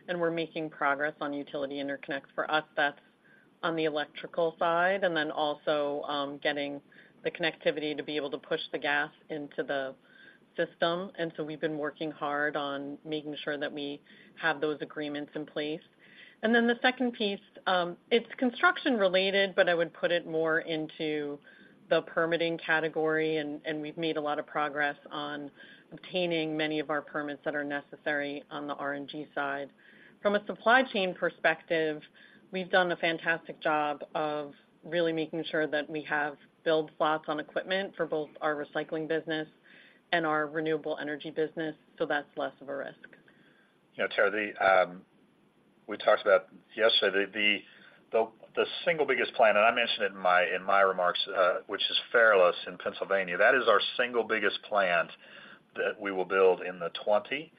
[SPEAKER 7] and we're making progress on utility interconnects. For us, that's on the electrical side, and then also getting the connectivity to be able to push the gas into the system. And so we've been working hard on making sure that we have those agreements in place. And then the second piece, it's construction related, but I would put it more into the permitting category, and we've made a lot of progress on obtaining many of our permits that are necessary on the RNG side. From a supply chain perspective, we've done a fantastic job of really making sure that we have build slots on equipment for both our recycling business and our renewable energy business, so that's less of a risk.
[SPEAKER 3] You know, Tara, the we talked about yesterday, the single biggest plant, and I mentioned it in my, in my remarks, which is Fairless, Pennsylvania. That is our single biggest plant that we will build in the 20.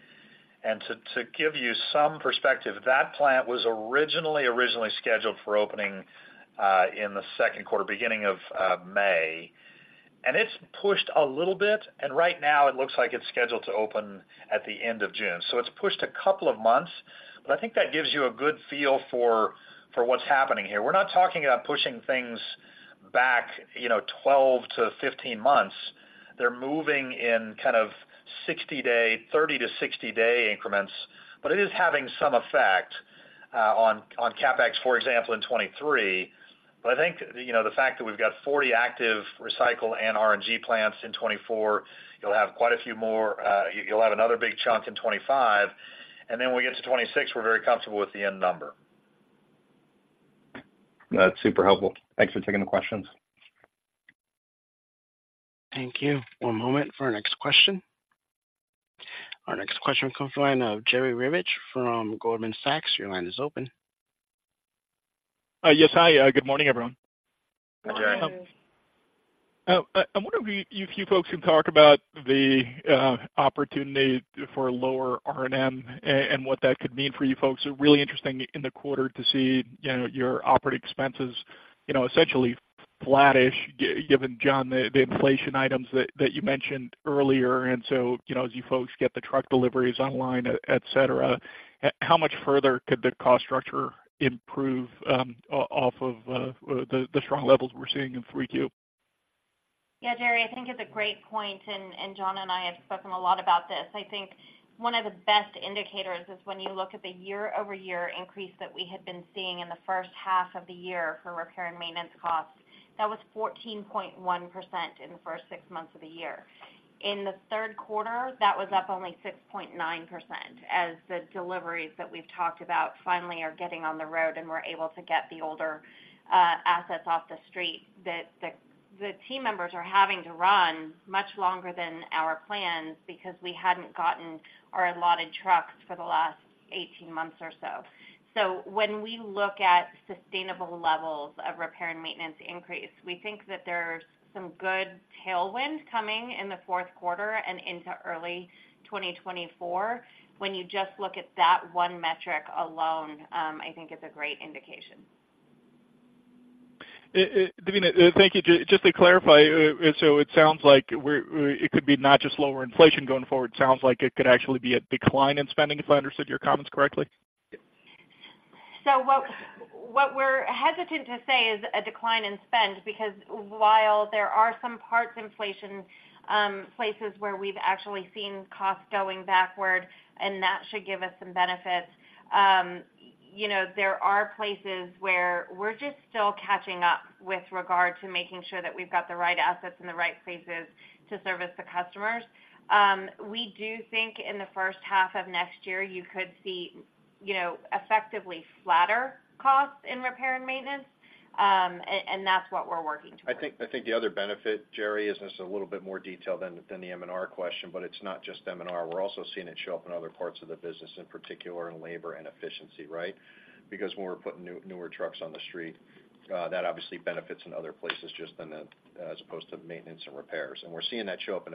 [SPEAKER 3] And to give you some perspective, that plant was originally scheduled for opening in the second quarter, beginning of May, and it's pushed a little bit, and right now it looks like it's scheduled to open at the end of June. So it's pushed a couple of months, but I think that gives you a good feel for what's happening here. We're not talking about pushing things back, you know, 12-15 months. They're moving in kind of 60-day, 30- to 60-day increments, but it is having some effect on CapEx, for example, in 2023. But I think, you know, the fact that we've got 40 active recycle and RNG plants in 2024, you'll have quite a few more, you'll have another big chunk in 2025, and then when we get to 2026, we're very comfortable with the end number.
[SPEAKER 9] That's super helpful. Thanks for taking the questions.
[SPEAKER 1] Thank you. One moment for our next question. Our next question comes from the line of Jerry Revich from Goldman Sachs. Your line is open.
[SPEAKER 10] Yes. Hi, good morning, everyone.
[SPEAKER 4] Good morning.
[SPEAKER 7] Good morning.
[SPEAKER 10] I wonder if you folks can talk about the opportunity for lower R&M and what that could mean for you folks. Really interesting in the quarter to see, you know, your operating expenses, you know, essentially flattish, given, John, the inflation items that you mentioned earlier. And so, you know, as you folks get the truck deliveries online, et cetera, how much further could the cost structure improve off of the strong levels we're seeing in three Q?
[SPEAKER 5] Yeah, Jerry, I think it's a great point, and, and John and I have spoken a lot about this. I think one of the best indicators is when you look at the year-over-year increase that we had been seeing in the first half of the year for repair and maintenance costs, that was 14.1% in the first six months of the year. In the third quarter, that was up only 6.9%, as the deliveries that we've talked about finally are getting on the road, and we're able to get the older, assets off the street, that the, the team members are having to run much longer than our plans because we hadn't gotten our allotted trucks for the last 18 months or so. So when we look at sustainable levels of repair and maintenance increase, we think that there's some good tailwind coming in the fourth quarter and into early 2024. When you just look at that one metric alone, I think it's a great indication.
[SPEAKER 10] Devina, thank you. Just to clarify, so it sounds like we're, it could be not just lower inflation going forward. Sounds like it could actually be a decline in spending, if I understood your comments correctly? So what, what we're hesitant to say is a decline in spend, because while there are some parts inflation, places where we've actually seen costs going backward, and that should give us some benefits, you know, there are places where we're just still catching up with regard to making sure that we've got the right assets in the right places to service the customers. We do think in the first half of next year, you could see, you know, effectively flatter costs in repair and maintenance, and that's what we're working towards.
[SPEAKER 3] I think, I think the other benefit, Jerry, is this a little bit more detailed than, than the M&R question, but it's not just M&R. We're also seeing it show up in other parts of the business, in particular in labor and efficiency, right? Because when we're putting newer trucks on the street, that obviously benefits in other places, just in the, as opposed to maintenance and repairs, and we're seeing that show up in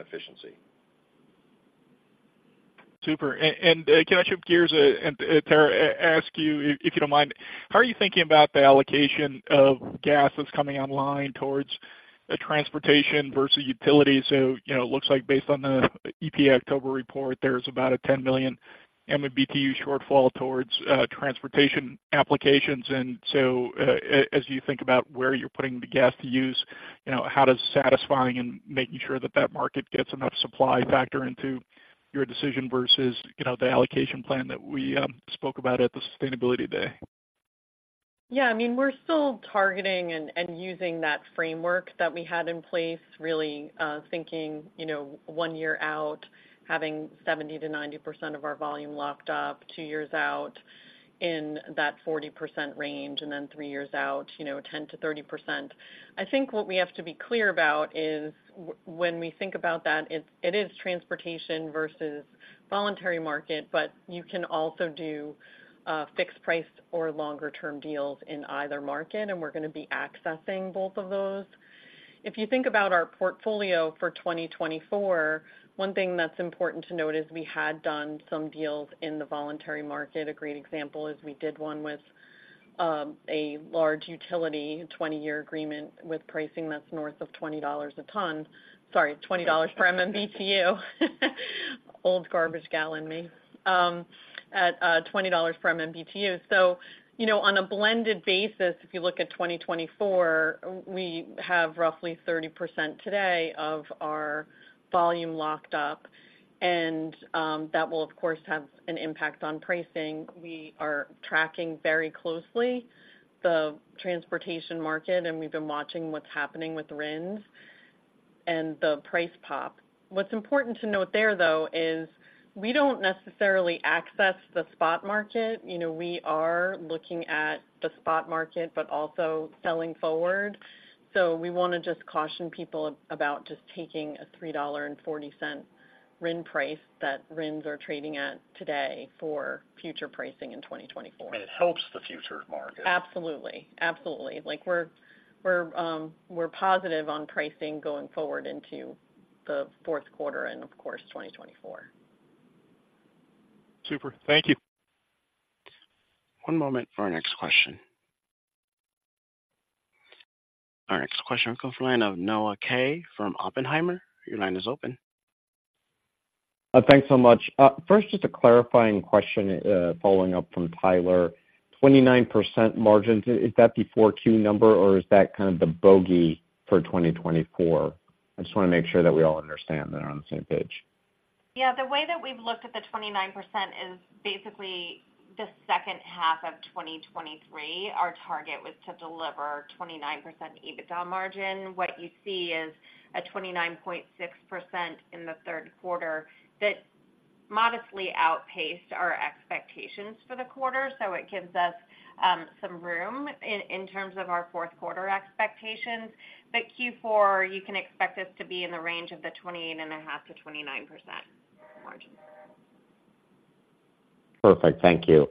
[SPEAKER 3] efficiency.
[SPEAKER 10] Super. And can I shift gears, and Tara, ask you, if you don't mind, how are you thinking about the allocation of gas that's coming online towards a transportation versus utility? So, you know, it looks like based on the EPA October report, there's about a 10 million MMBtu shortfall towards transportation applications. And so, as you think about where you're putting the gas to use, you know, how does satisfying and making sure that that market gets enough supply factor into your decision versus, you know, the allocation plan that we spoke about at the Sustainability Day?
[SPEAKER 7] Yeah, I mean, we're still targeting and, and using that framework that we had in place, really, thinking, you know, one year out, having 70%-90% of our volume locked up, two years out in that 40% range, and then three years out, you know, 10%-30%. I think what we have to be clear about is w- when we think about that, it's, it is transportation versus voluntary market, but you can also do, fixed price or longer-term deals in either market, and we're going to be accessing both of those. If you think about our portfolio for 2024, one thing that's important to note is we had done some deals in the voluntary market. A great example is we did one with, a large utility, 20-year agreement with pricing that's north of $20 a ton. Sorry, $20 per MMBtu. Old garbage gal in me. At $20 per MMBtu. So, you know, on a blended basis, if you look at 2024, we have roughly 30% today of our volume locked up, and that will, of course, have an impact on pricing. We are tracking very closely the transportation market, and we've been watching what's happening with RINs and the price pop. What's important to note there, though, is we don't necessarily access the spot market. You know, we are looking at the spot market, but also selling forward. So we want to just caution people about just taking a $3.40 RIN price that RINs are trading at today for future pricing in 2024.
[SPEAKER 4] It helps the future market.
[SPEAKER 7] Absolutely. Absolutely. Like, we're, we're positive on pricing going forward into the fourth quarter and, of course, 2024.
[SPEAKER 10] Super. Thank you.
[SPEAKER 1] One moment for our next question. Our next question comes from the line of Noah Kaye from Oppenheimer. Your line is open.
[SPEAKER 11] Thanks so much. First, just a clarifying question, following up from Tyler. 29% margins, is that the 4Q number, or is that kind of the bogey for 2024? I just want to make sure that we all understand that we're on the same page.
[SPEAKER 5] Yeah, the way that we've looked at the 29% is basically the second half of 2023, our target was to deliver 29% EBITDA margin. What you see is a 29.6% in the third quarter. That modestly outpaced our expectations for the quarter, so it gives us some room in terms of our fourth quarter expectations. But Q4, you can expect us to be in the range of the 28.5%-29% margin.
[SPEAKER 11] Perfect. Thank you.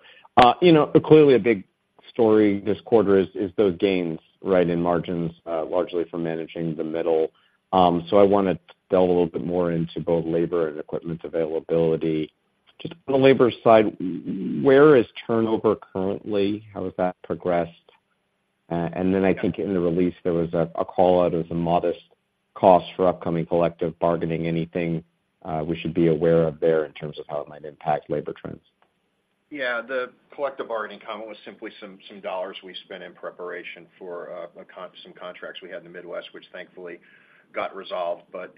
[SPEAKER 11] You know, clearly a big story this quarter is those gains, right, in margins, largely from managing the middle. So I want to delve a little bit more into both labor and equipment availability. Just on the labor side, where is turnover currently? How has that progressed? And then I think in the release, there was a call-out of some modest costs for upcoming collective bargaining. Anything we should be aware of there in terms of how it might impact labor trends?
[SPEAKER 3] Yeah, the collective bargaining comment was simply some, some dollars we spent in preparation for some contracts we had in the Midwest, which thankfully got resolved. But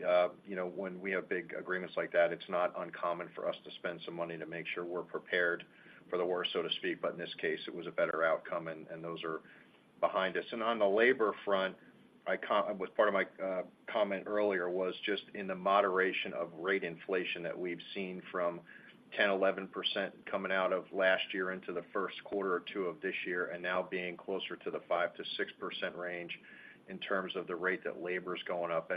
[SPEAKER 3] you know, when we have big agreements like that, it's not uncommon for us to spend some money to make sure we're prepared for the worst, so to speak. But in this case, it was a better outcome, and those are behind us. And on the labor front, with part of my comment earlier was just in the moderation of rate inflation that we've seen from 10, 11% coming out of last year into the first quarter or two of this year, and now being closer to the 5%-6% range in terms of the rate that labor is going up.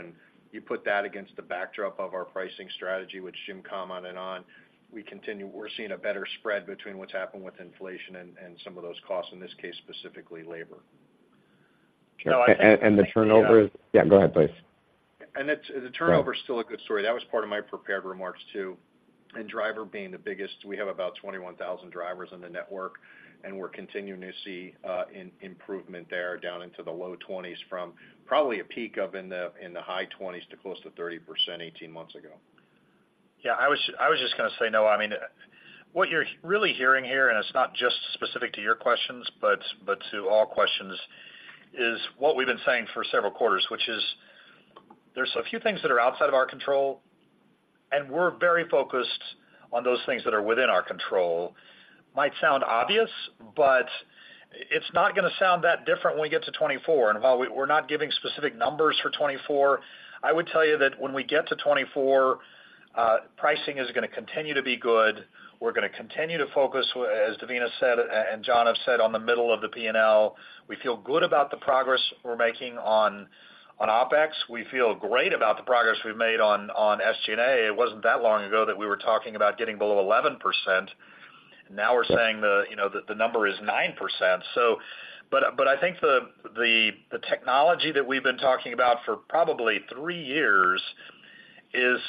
[SPEAKER 4] You put that against the backdrop of our pricing strategy, which Jim commented on and on, we continue, we're seeing a better spread between what's happened with inflation and some of those costs, in this case, specifically labor.
[SPEAKER 11] And the turnover is yeah, go ahead, please.
[SPEAKER 4] It's the turnover is still a good story. That was part of my prepared remarks, too. And driver being the biggest, we have about 21,000 drivers in the network, and we're continuing to see improvement there down into the low 20s from probably a peak of in the high 20s to close to 30% 18 months ago.
[SPEAKER 3] Yeah, I was, I was just gonna say, no, I mean, what you're really hearing here, and it's not just specific to your questions, but, but to all questions, is what we've been saying for several quarters, which is there's a few things that are outside of our control, and we're very focused on those things that are within our control. Might sound obvious, but it's not going to sound that different when we get to 2024. And while we're not giving specific numbers for 2024, I would tell you that when we get to 2024, pricing is going to continue to be good. We're going to continue to focus, as Devina said, and John have said, on the middle of the P&L. We feel good about the progress we're making on, on OpEx. We feel great about the progress we've made on, on SG&A. It wasn't that long ago that we were talking about getting below 11%. Now we're saying, you know, the number is 9%. But I think the technology that we've been talking about for probably 3 years is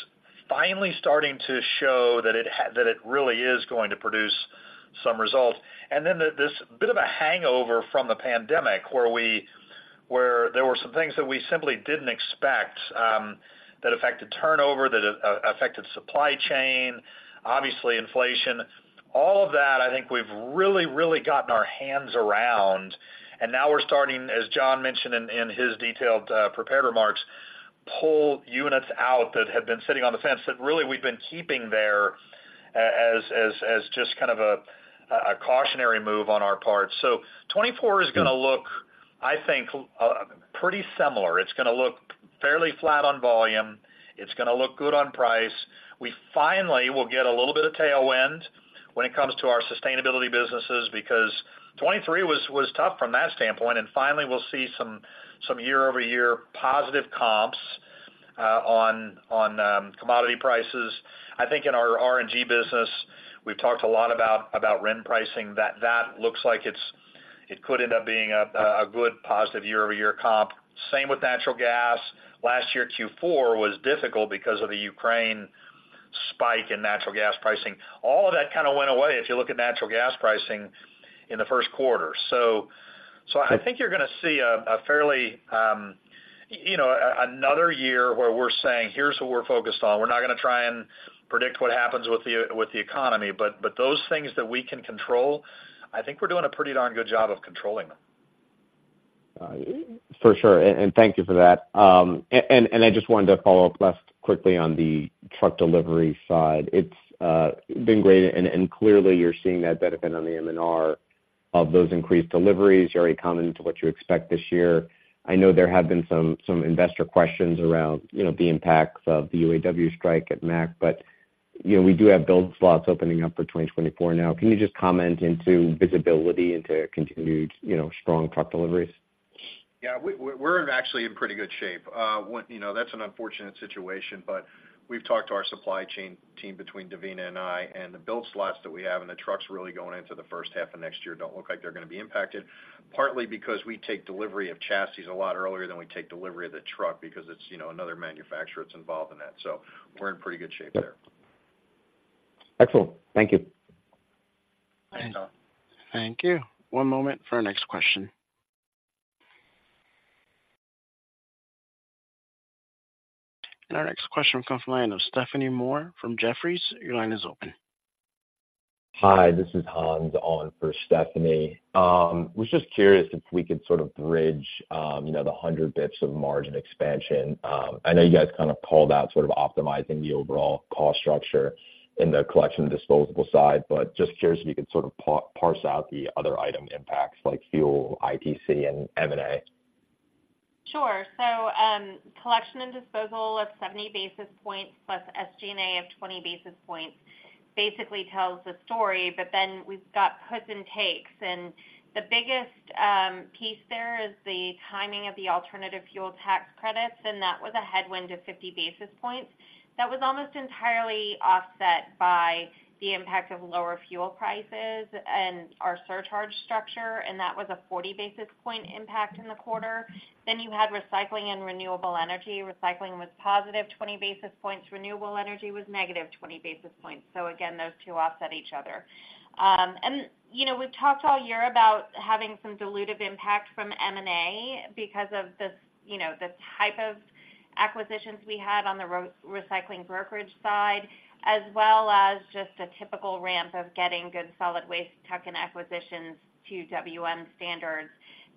[SPEAKER 3] finally starting to show that it really is going to produce some results. Then this bit of a hangover from the pandemic where there were some things that we simply didn't expect that affected turnover, that affected supply chain, obviously inflation. All of that, I think we've really, really gotten our hands around, and now we're starting, as John mentioned in his detailed prepared remarks, pull units out that have been sitting on the fence that really we've been keeping there as just kind of a cautionary move on our part. 2024 is going to look, I think, pretty similar. It's going to look fairly flat on volume. It's going to look good on price. We finally will get a little bit of tailwind when it comes to our sustainability businesses, because 2023 was tough from that standpoint. And finally, we'll see some year-over-year positive comps on commodity prices. I think in our RNG business, we've talked a lot about RIN pricing, that looks like it could end up being a good positive year-over-year comp. Same with natural gas. Last year, Q4 was difficult because of the Ukraine spike in natural gas pricing. All of that kind of went away if you look at natural gas pricing in the first quarter. So, I think you're going to see a fairly, you know, another year where we're saying: Here's what we're focused on. We're not going to try and predict what happens with the economy, but those things that we can control, I think we're doing a pretty darn good job of controlling them.
[SPEAKER 11] For sure. And thank you for that. And I just wanted to follow up last quickly on the truck delivery side. It's been great, and clearly you're seeing that benefit on the M&R of those increased deliveries. You already commented to what you expect this year. I know there have been some investor questions around, you know, the impacts of the UAW strike at Mack, but, you know, we do have build slots opening up for 2024 now. Can you just comment into visibility into continued, you know, strong truck deliveries?
[SPEAKER 4] Yeah, we're actually in pretty good shape. You know, that's an unfortunate situation, but we've talked to our supply chain team between Devina and I, and the build slots that we have and the trucks really going into the first half of next year don't look like they're going to be impacted, partly because we take delivery of chassis a lot earlier than we take delivery of the truck because it's, you know, another manufacturer that's involved in that. So we're in pretty good shape there.
[SPEAKER 11] Excellent. Thank you.
[SPEAKER 3] Thank you.
[SPEAKER 1] Thank you. One moment for our next question. Our next question will come from the line of Stephanie Moore from Jefferies. Your line is open.
[SPEAKER 12] Hi, this is Hans on for Stephanie. Was just curious if we could sort of bridge, you know, the 100 bits of margin expansion. I know you guys kind of called out sort of optimizing the overall cost structure in the collection and disposal side, but just curious if you could sort of parse out the other item impacts like fuel, ITC, and M&A.
[SPEAKER 5] Sure. So, collection and disposal of 70 basis points plus SG&A of 20 basis points basically tells the story, but then we've got puts and takes. And the biggest piece there is the timing of the alternative fuel tax credits, and that was a headwind of 50 basis points. That was almost entirely offset by the impact of lower fuel prices and our surcharge structure, and that was a 40 basis point impact in the quarter. Then you had recycling and renewable energy. Recycling was +20 basis points, renewable energy was -20 basis points. So again, those two offset each other. And, you know, we've talked all year about having some dilutive impact from M&A because of the, you know, the type of acquisitions we had on the recycling brokerage side, as well as just a typical ramp of getting good, solid waste tuck-in acquisitions to WM standards.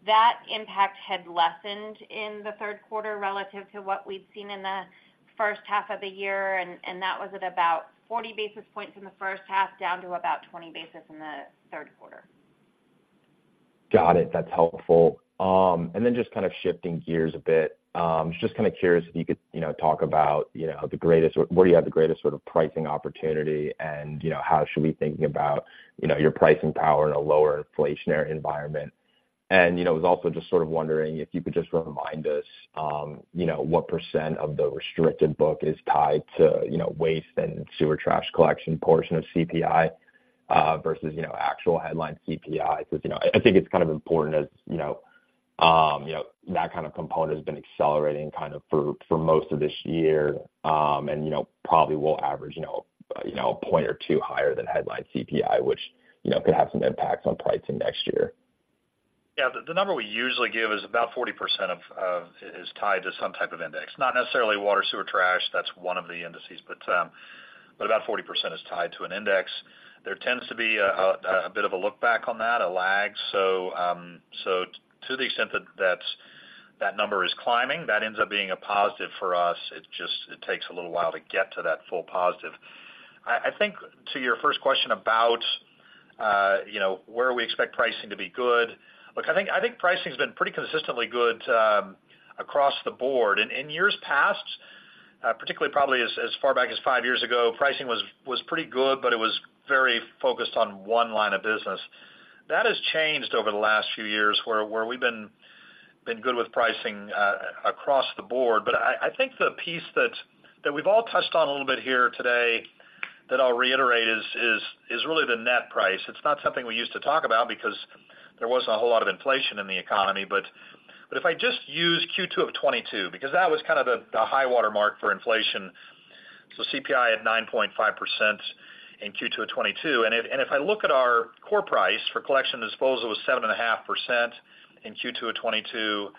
[SPEAKER 5] That impact had lessened in the third quarter relative to what we'd seen in the first half of the year, and that was at about 40 basis points in the first half, down to about 20 basis points in the third quarter.
[SPEAKER 12] Got it. That's helpful. And then just kind of shifting gears a bit, just kind of curious if you could, you know, talk about, you know, the greatest, or where do you have the greatest sort of pricing opportunity, and, you know, how should we be thinking about, you know, your pricing power in a lower inflationary environment? And, you know, I was also just sort of wondering if you could just remind us, you know, what % of the restricted book is tied to, you know, waste and sewer trash collection portion of CPI, versus, you know, actual headline CPI. Because, you know, I think it's kind of important as, you know, you know, that kind of component has been accelerating kind of for most of this year, and, you know, probably will average, you know, you know, a point or two higher than headline CPI, which, you know, could have some impacts on pricing next year.
[SPEAKER 3] Yeah, the number we usually give is about 40% of is tied to some type of index, not necessarily water, sewer, trash. That's one of the indices, but about 40% is tied to an index. There tends to be a bit of a look back on that, a lag. So, to the extent that that's that number is climbing, that ends up being a positive for us. It just takes a little while to get to that full positive. I think to your first question about you know where we expect pricing to be good. Look, I think pricing has been pretty consistently good across the board. In years past, particularly probably as far back as 5 years ago, pricing was pretty good, but it was very focused on one line of business. That has changed over the last few years, where we've been good with pricing across the board. But I think the piece that we've all touched on a little bit here today, that I'll reiterate is really the net price. It's not something we used to talk about because there wasn't a whole lot of inflation in the economy. But if I just use Q2 of 2022, because that was kind of the high water mark for inflation. So CPI at 9.5% in Q2 of 2022, and if I look at our core price for collection and disposal, it was 7.5% in Q2 of 2022,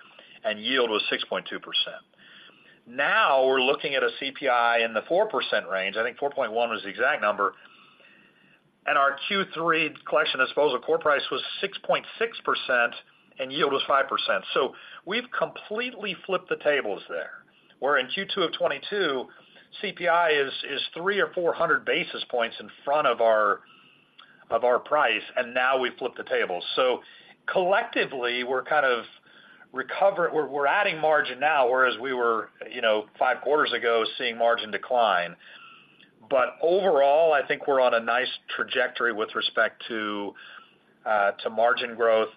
[SPEAKER 3] and yield was 6.2%. Now, we're looking at a CPI in the 4% range. I think 4.1 was the exact number, and our Q3 collection and disposal core price was 6.6%, and yield was 5%. So we've completely flipped the tables there, where in Q2 of 2022, CPI is three or four hundred basis points in front of our price, and now we've flipped the tables. So collectively, we're kind of adding margin now, whereas we were, you know, 5 quarters ago, seeing margin decline. But overall, I think we're on a nice trajectory with respect to to margin growth,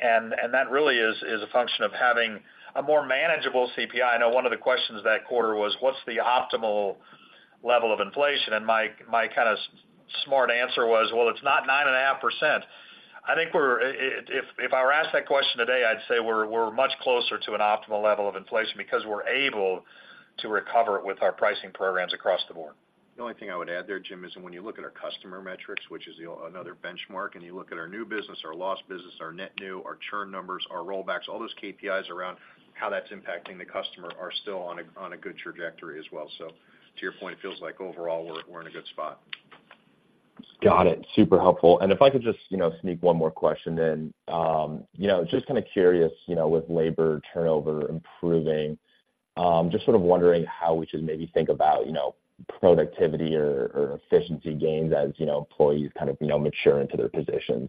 [SPEAKER 3] and that really is a function of having a more manageable CPI. I know one of the questions that quarter was: What's the optimal level of inflation? And my kind of smart answer was, "Well, it's not 9.5%." I think we're if, if I were asked that question today, I'd say we're much closer to an optimal level of inflation because we're able to recover with our pricing programs across the board.
[SPEAKER 4] The only thing I would add there, Jim, is when you look at our customer metrics, which is another benchmark, and you look at our new business, our lost business, our net new, our churn numbers, our rollbacks, all those KPIs around how that's impacting the customer are still on a good trajectory as well. So to your point, it feels like overall, we're in a good spot.
[SPEAKER 12] Got it. Super helpful. And if I could just, you know, sneak one more question in. You know, just kind of curious, you know, with labor turnover improving, just sort of wondering how we should maybe think about, you know, productivity or, or efficiency gains as, you know, employees kind of, you know, mature into their positions.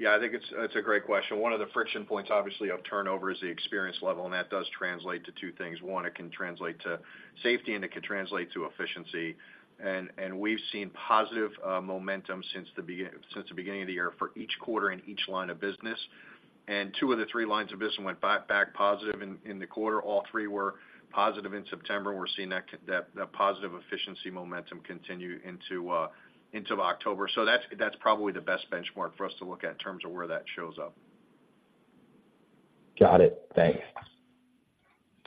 [SPEAKER 4] Yeah, I think it's a great question. One of the friction points, obviously, of turnover is the experience level, and that does translate to two things. One, it can translate to safety, and it can translate to efficiency. And we've seen positive momentum since the beginning of the year for each quarter and each line of business. And two of the three lines of business went back positive in the quarter. All three were positive in September, and we're seeing that positive efficiency momentum continue into October. So that's probably the best benchmark for us to look at in terms of where that shows up.
[SPEAKER 12] Got it. Thanks.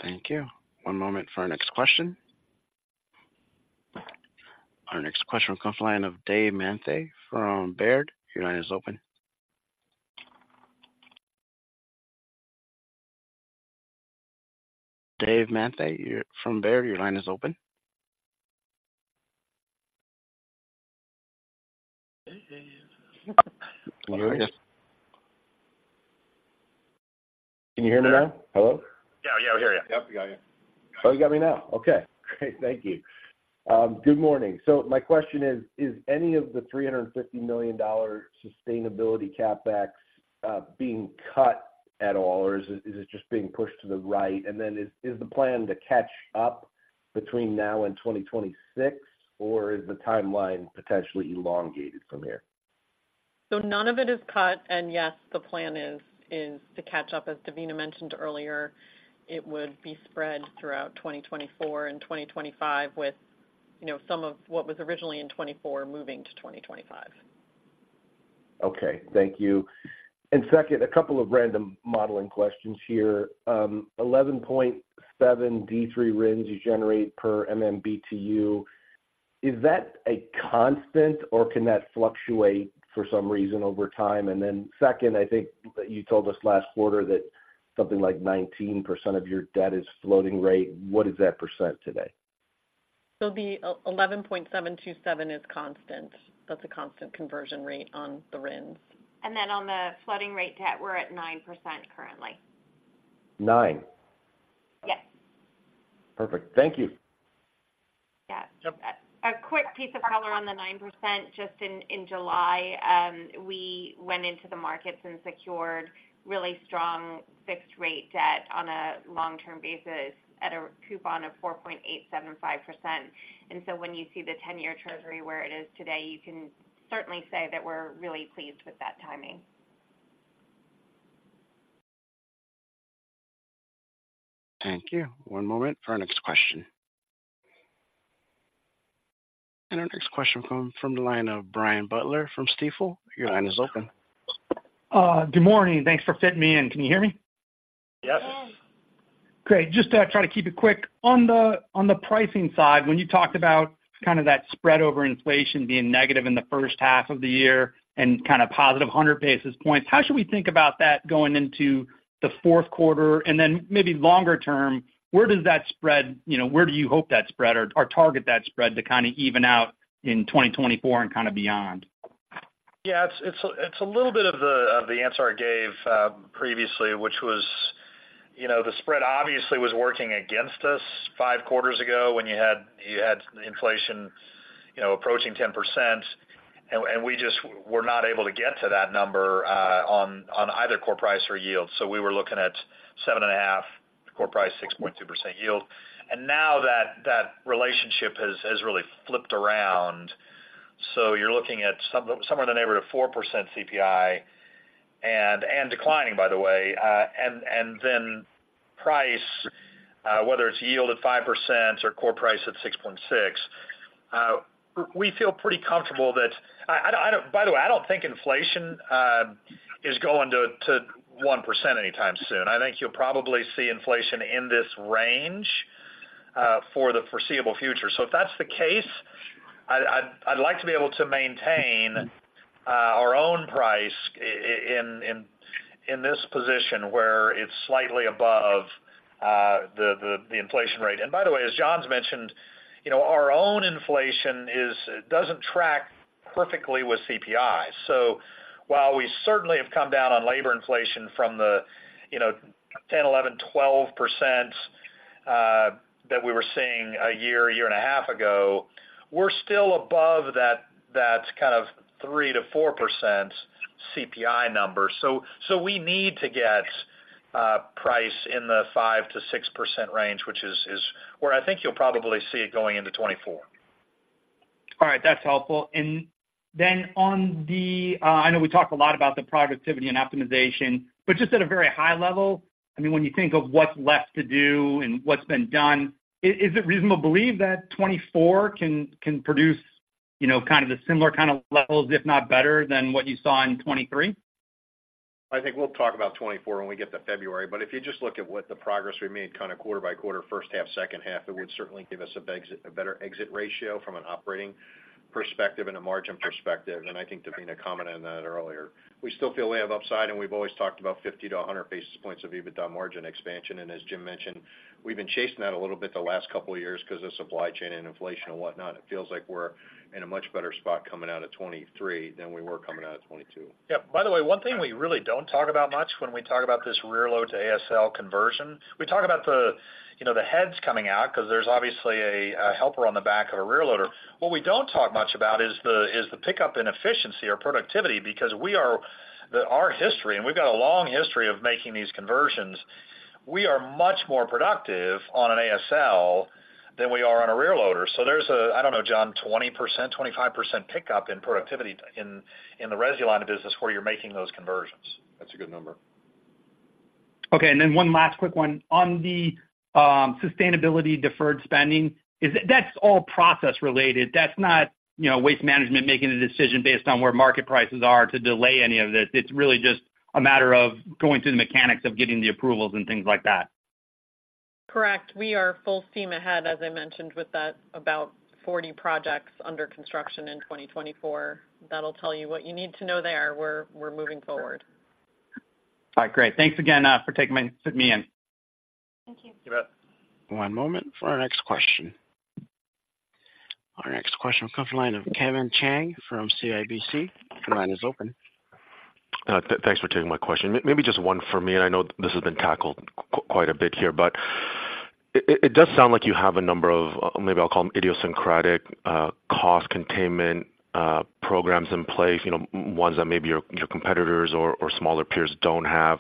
[SPEAKER 1] Thank you. One moment for our next question. Our next question from conference line of Dave Mantey from Baird. Your line is open. Dave Mantey, you're from Baird, your line is open. Can you hear us?
[SPEAKER 13] Can you hear me now? Hello?
[SPEAKER 3] Yeah, yeah, we hear you.
[SPEAKER 13] Yep, we got you. Oh, you got me now. Okay, great. Thank you. Good morning. So my question is: Is any of the $350 million sustainability CapEx being cut at all, or is it just being pushed to the right? And then is the plan to catch up between now and 2026, or is the timeline potentially elongated from here?
[SPEAKER 7] So none of it is cut, and yes, the plan is, is to catch up. As Devina mentioned earlier, it would be spread throughout 2024 and 2025, with, you know, some of what was originally in 2024 moving to 2025.
[SPEAKER 13] Okay. Thank you. And second, a couple of random modeling questions here. Eleven point seven D3 RINS you generate per MMBtu, is that a constant, or can that fluctuate for some reason over time? And then second, I think you told us last quarter that something like 19% of your debt is floating rate. What is that percent today?
[SPEAKER 7] The 11.727 is constant. That's a constant conversion rate on the RINs.
[SPEAKER 5] On the floating rate debt, we're at 9% currently.
[SPEAKER 13] Nine?
[SPEAKER 5] Yes.
[SPEAKER 13] Perfect. Thank you.
[SPEAKER 5] Yeah. A quick piece of color on the 9%. Just in July, we went into the markets and secured really strong fixed-rate debt on a long-term basis at a coupon of 4.875%. And so when you see the 10-year Treasury where it is today, you can certainly say that we're really pleased with that timing.
[SPEAKER 1] Thank you. One moment for our next question. Our next question comes from the line of Brian Butler from Stifel. Your line is open.
[SPEAKER 14] Good morning, and thanks for fitting me in. Can you hear me?
[SPEAKER 13] Yep.
[SPEAKER 14] Great. Just to try to keep it quick, on the pricing side, when you talked about kind of that spread over inflation being negative in the first half of the year and kind of positive 100 basis points, how should we think about that going into the fourth quarter? And then maybe longer term, where does that spread, you know, where do you hope that spread or, or target that spread to kind of even out in 2024 and kind of beyond?
[SPEAKER 3] Yeah, it's a little bit of the answer I gave previously, which was, you know, the spread obviously was working against us five quarters ago when you had inflation approaching 10%, and we just were not able to get to that number on either core price or yield. So we were looking at 7.5 core price, 6.2% yield. And now that that relationship has really flipped around. So you're looking at somewhere in the neighborhood of 4% CPI and declining, by the way, and then price, whether it's yield at 5% or core price at 6.6, we feel pretty comfortable that I don't. By the way, I don't think inflation is going to 1% anytime soon. I think you'll probably see inflation in this range for the foreseeable future. So if that's the case, I'd like to be able to maintain our own price in this position where it's slightly above the inflation rate. And by the way, as John's mentioned, you know, our own inflation doesn't track perfectly with CPI. So while we certainly have come down on labor inflation from the, you know, 10%, 11%, 12% that we were seeing a year and a half ago, we're still above that kind of 3%-4% CPI number. So we need to get price in the 5%-6% range, which is where I think you'll probably see it going into 2024.
[SPEAKER 14] All right. That's helpful. And then on the, I know we talked a lot about the productivity and optimization, but just at a very high level, I mean, when you think of what's left to do and what's been done, is it reasonable to believe that 2024 can, can produce, you know, kind of the similar kind of levels, if not better, than what you saw in 2023?
[SPEAKER 3] I think we'll talk about 2024 when we get to February, but if you just look at what the progress we made kind of quarter by quarter, first half, second half, it would certainly give us an exit, a better exit ratio from an operating perspective and a margin perspective, and I think Devina commented on that earlier. We still feel we have upside, and we've always talked about 50-100 basis points of EBITDA margin expansion, and as Jim mentioned, we've been chasing that a little bit the last couple of years because of supply chain and inflation and whatnot. It feels like we're in a much better spot coming out of 2023 than we were coming out of 2022. Yeah. By the way, one thing we really don't talk about much when we talk about this rear load to ASL conversion, we talk about the, you know, the heads coming out because there's obviously a helper on the back of a rear loader. What we don't talk much about is the pickup in efficiency or productivity because we are – our history, and we've got a long history of making these conversions, we are much more productive on an ASL than we are on a rear loader. So there's a, I don't know, John, 20%-25% pickup in productivity in the resi line of business where you're making those conversions.
[SPEAKER 4] That's a good number.
[SPEAKER 14] Okay, and then one last quick one. On the sustainability deferred spending, is it? That's all process related. That's not, you know, Waste Management making a decision based on where market prices are to delay any of this. It's really just a matter of going through the mechanics of getting the approvals and things like that.
[SPEAKER 7] Correct. We are full steam ahead, as I mentioned, with that, about 40 projects under construction in 2024. That'll tell you what you need to know there. We're moving forward.
[SPEAKER 14] All right, great. Thanks again for taking me, fitting me in.
[SPEAKER 5] Thank you.
[SPEAKER 13] You bet.
[SPEAKER 1] One moment for our next question. Our next question will come from the line of Kevin Chiang from CIBC. Your line is open.
[SPEAKER 15] Thanks for taking my question. Maybe just one for me, and I know this has been tackled quite a bit here, but it does sound like you have a number of, maybe I'll call them idiosyncratic, cost containment programs in place, you know, ones that maybe your competitors or smaller peers don't have.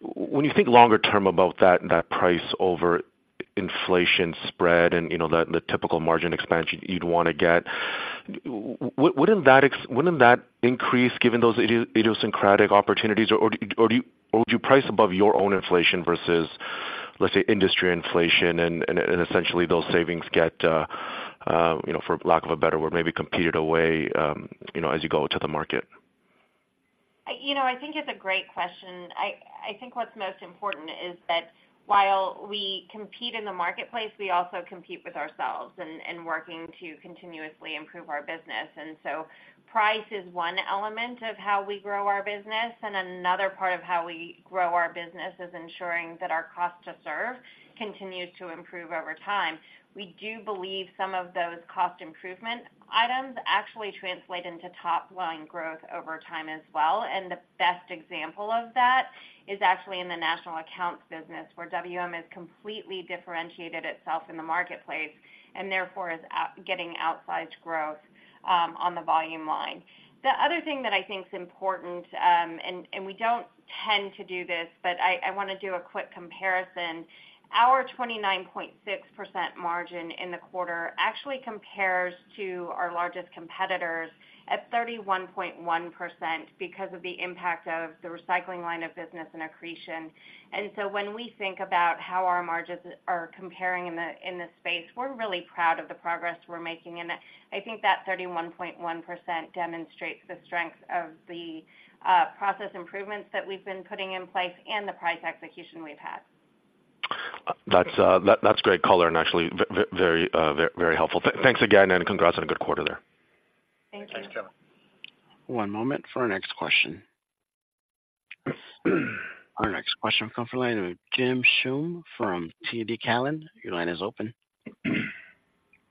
[SPEAKER 15] When you think longer term about that, that price over inflation spread and, you know, the typical margin expansion you'd want to get, wouldn't that increase given those idiosyncratic opportunities, or do you price above your own inflation versus, let's say, industry inflation, and essentially those savings get, you know, for lack of a better word, maybe competed away, you know, as you go to the market?
[SPEAKER 5] You know, I think it's a great question. I think what's most important is that while we compete in the marketplace, we also compete with ourselves and working to continuously improve our business. And so price is one element of how we grow our business, and another part of how we grow our business is ensuring that our cost to serve continues to improve over time. We do believe some of those cost improvement items actually translate into top-line growth over time as well, and the best example of that is actually in the national accounts business, where WM has completely differentiated itself in the marketplace and therefore is out getting outsized growth on the volume line. The other thing that I think is important, and we don't tend to do this, but I wanna do a quick comparison. Our 29.6% margin in the quarter actually compares to our largest competitors at 31.1% because of the impact of the recycling line of business and accretion. And so when we think about how our margins are comparing in the space, we're really proud of the progress we're making, and I think that 31.1% demonstrates the strength of the process improvements that we've been putting in place and the price execution we've had.
[SPEAKER 15] That's great color and actually very helpful. Thanks again, and congrats on a good quarter there.
[SPEAKER 5] Thank you.
[SPEAKER 1] Thanks, Kevin. One moment for our next question. Our next question will come from the line of Jim Schumm from TD Cowen. Your line is open.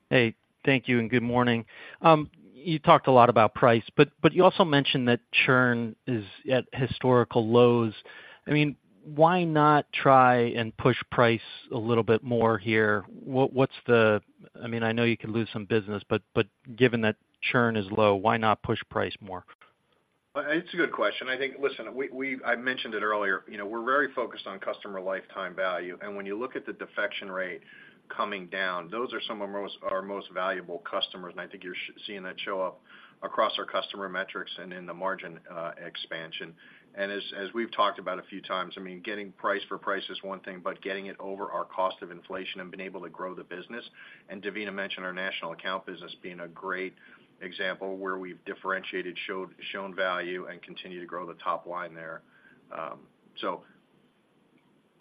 [SPEAKER 16] Hey, thank you, and good morning. You talked a lot about price, but you also mentioned that churn is at historical lows. I mean, why not try and push price a little bit more here? What's the I mean, I know you could lose some business, but given that churn is low, why not push price more?
[SPEAKER 3] Well, it's a good question. I think, listen, we I mentioned it earlier, you know, we're very focused on customer lifetime value, and when you look at the defection rate coming down, those are some of our most valuable customers, and I think you're seeing that show up across our customer metrics and in the margin expansion. And as we've talked about a few times, I mean, getting price for price is one thing, but getting it over our cost of inflation and being able to grow the business, and Devina mentioned our national account business being a great example where we've differentiated, shown value and continue to grow the top line there. So.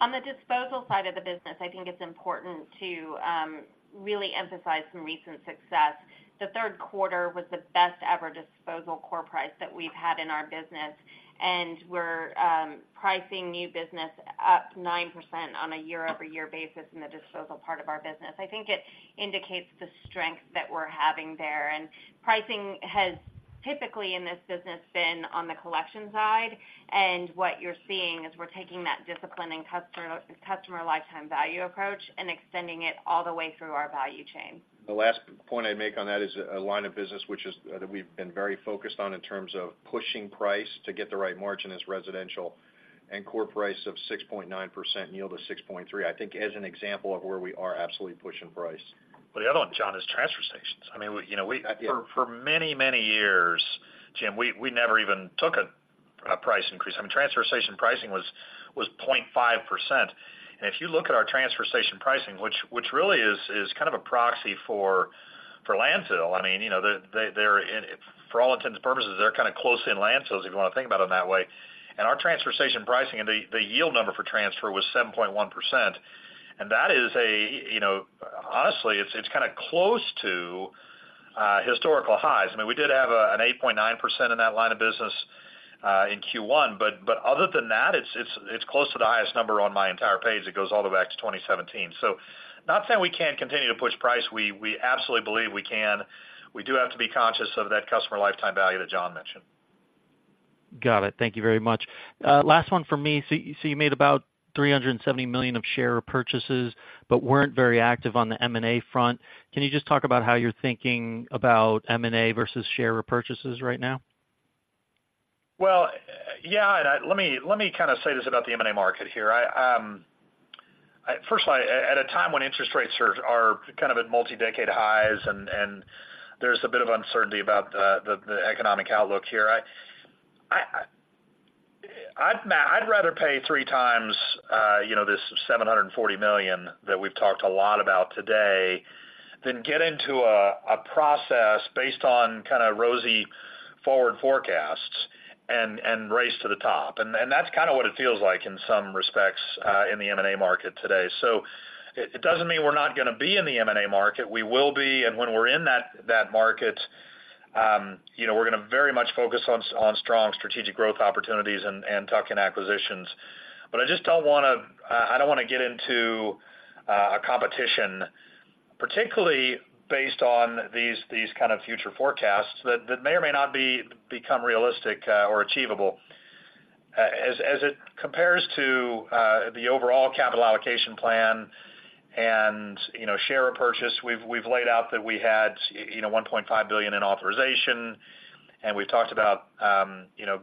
[SPEAKER 5] On the disposal side of the business, I think it's important to really emphasize some recent success. The third quarter was the best ever disposal core price that we've had in our business, and we're pricing new business up 9% on a year-over-year basis in the disposal part of our business. I think it indicates the strength that we're having there, and pricing has typically, in this business, been on the collection side, and what you're seeing is we're taking that discipline and customer, customer lifetime value approach and extending it all the way through our value chain.
[SPEAKER 3] The last point I'd make on that is a line of business, which is that we've been very focused on in terms of pushing price to get the right margin, is residential and core price of 6.9% yield of 6.3. I think as an example of where we are absolutely pushing price. But the other one, John, is transfer stations. I mean, we, you know, we. Yeah. For many, many years, Jim, we never even took a price increase. I mean, transfer station pricing was point five percent. And if you look at our transfer station pricing, which really is kind of a proxy for landfill, I mean, you know, they're, for all intents and purposes, they're kind of close in landfills, if you want to think about them that way. And our transfer station pricing and the yield number for transfer was 7.1%, and that is a, you know Honestly, it's kind of close to historical highs. I mean, we did have a, an 8.9% in that line of business in Q1, but other than that, it's close to the highest number on my entire page. It goes all the way back to 2017. So not saying we can't continue to push price, we absolutely believe we can. We do have to be conscious of that customer lifetime value that John mentioned.
[SPEAKER 16] Got it. Thank you very much. Last one for me. So, you made about $370 million of share repurchases but weren't very active on the M&A front. Can you just talk about how you're thinking about M&A versus share repurchases right now?
[SPEAKER 3] Well, yeah, and I Let me, let me kind of say this about the M&A market here. I, firstly, at a time when interest rates are kind of at multi-decade highs and there's a bit of uncertainty about the economic outlook here, I, I'd rather pay three times, you know, this $740 million that we've talked a lot about today, than get into a process based on kind of rosy forward forecasts and race to the top. And that's kind of what it feels like in some respects, in the M&A market today. So it doesn't mean we're not gonna be in the M&A market. We will be, and when we're in that market. You know, we're gonna very much focus on, on strong strategic growth opportunities and, and tuck-in acquisitions. But I just don't wanna, I don't wanna get into, a competition, particularly based on these, these kind of future forecasts that, that may or may not become realistic, or achievable. As, as it compares to, the overall capital allocation plan and, you know, share repurchase, we've, we've laid out that we had, you know, $1.5 billion in authorization, and we've talked about, you know,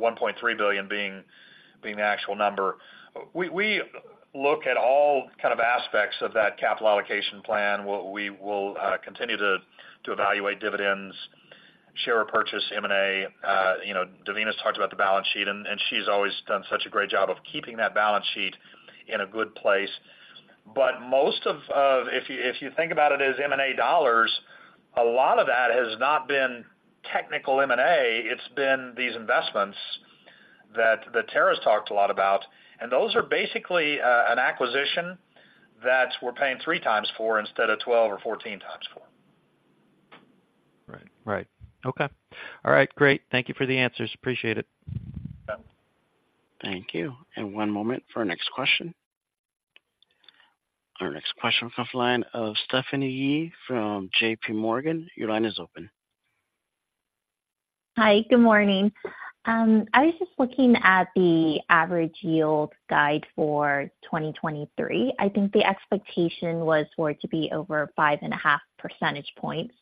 [SPEAKER 3] $1.3 billion being, being the actual number. We, we look at all kind of aspects of that capital allocation plan. We, we will, continue to, to evaluate dividends, share repurchase, M&A. You know, Devina's talked about the balance sheet, and she's always done such a great job of keeping that balance sheet in a good place. But most of, If you think about it as M&A dollars, a lot of that has not been technical M&A, it's been these investments that Tara's talked a lot about, and those are basically an acquisition that we're paying three times for instead of 12 or 14 times for.
[SPEAKER 1] Right. Right. Okay. All right, great. Thank you for the answers. Appreciate it. Thank you. And one moment for our next question. Our next question comes from the line of Stephanie Yee from JPMorgan. Your line is open.
[SPEAKER 17] Hi, good morning. I was just looking at the average yield guide for 2023. I think the expectation was for it to be over 5.5 percentage points.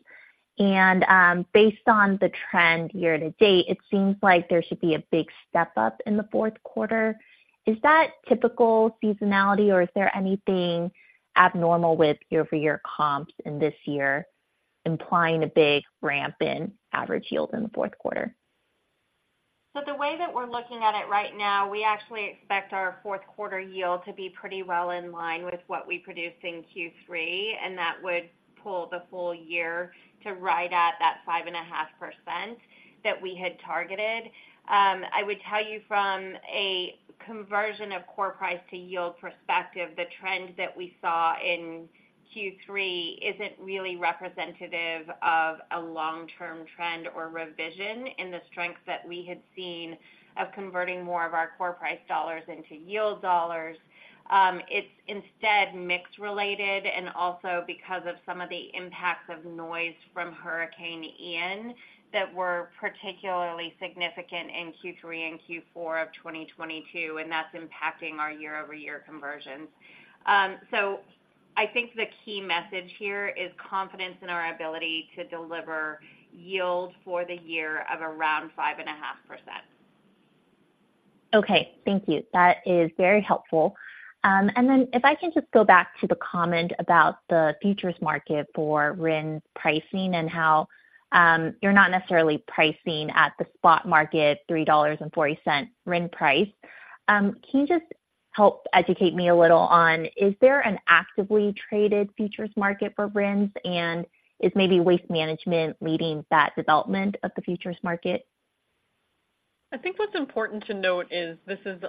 [SPEAKER 17] Based on the trend year to date, it seems like there should be a big step up in the fourth quarter. Is that typical seasonality, or is there anything abnormal with year-over-year comps in this year, implying a big ramp in average yield in the fourth quarter?
[SPEAKER 5] So the way that we're looking at it right now, we actually expect our fourth quarter yield to be pretty well in line with what we produced in Q3, and that would pull the full year to right at that 5.5% that we had targeted. I would tell you from a conversion of core price to yield perspective, the trend that we saw in Q3 isn't really representative of a long-term trend or revision in the strength that we had seen of converting more of our core price dollars into yield dollars. It's instead mix related and also because of some of the impacts of noise from Hurricane Ian that were particularly significant in Q3 and Q4 of 2022, and that's impacting our year-over-year conversions. I think the key message here is confidence in our ability to deliver yield for the year of around 5.5%.
[SPEAKER 17] Okay. Thank you. That is very helpful. And then if I can just go back to the comment about the futures market for RIN pricing and how, you're not necessarily pricing at the spot market $3.40 RIN price. Can you just help educate me a little on, is there an actively traded futures market for RINs, and is maybe Waste Management leading that development of the futures market?
[SPEAKER 7] I think what's important to note is this is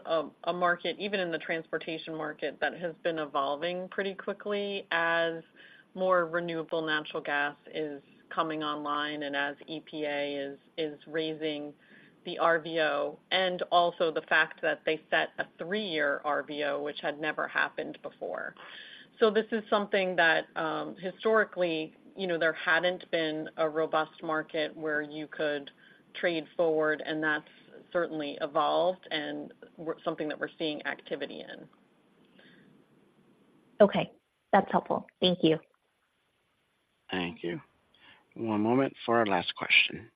[SPEAKER 7] a market, even in the transportation market, that has been evolving pretty quickly as more renewable natural gas is coming online and as EPA is raising the RVO, and also the fact that they set a three-year RVO, which had never happened before. So this is something that, historically, you know, there hadn't been a robust market where you could trade forward, and that's certainly evolved and something that we're seeing activity in.
[SPEAKER 17] Okay, that's helpful. Thank you.
[SPEAKER 1] Thank you. One moment for our last question.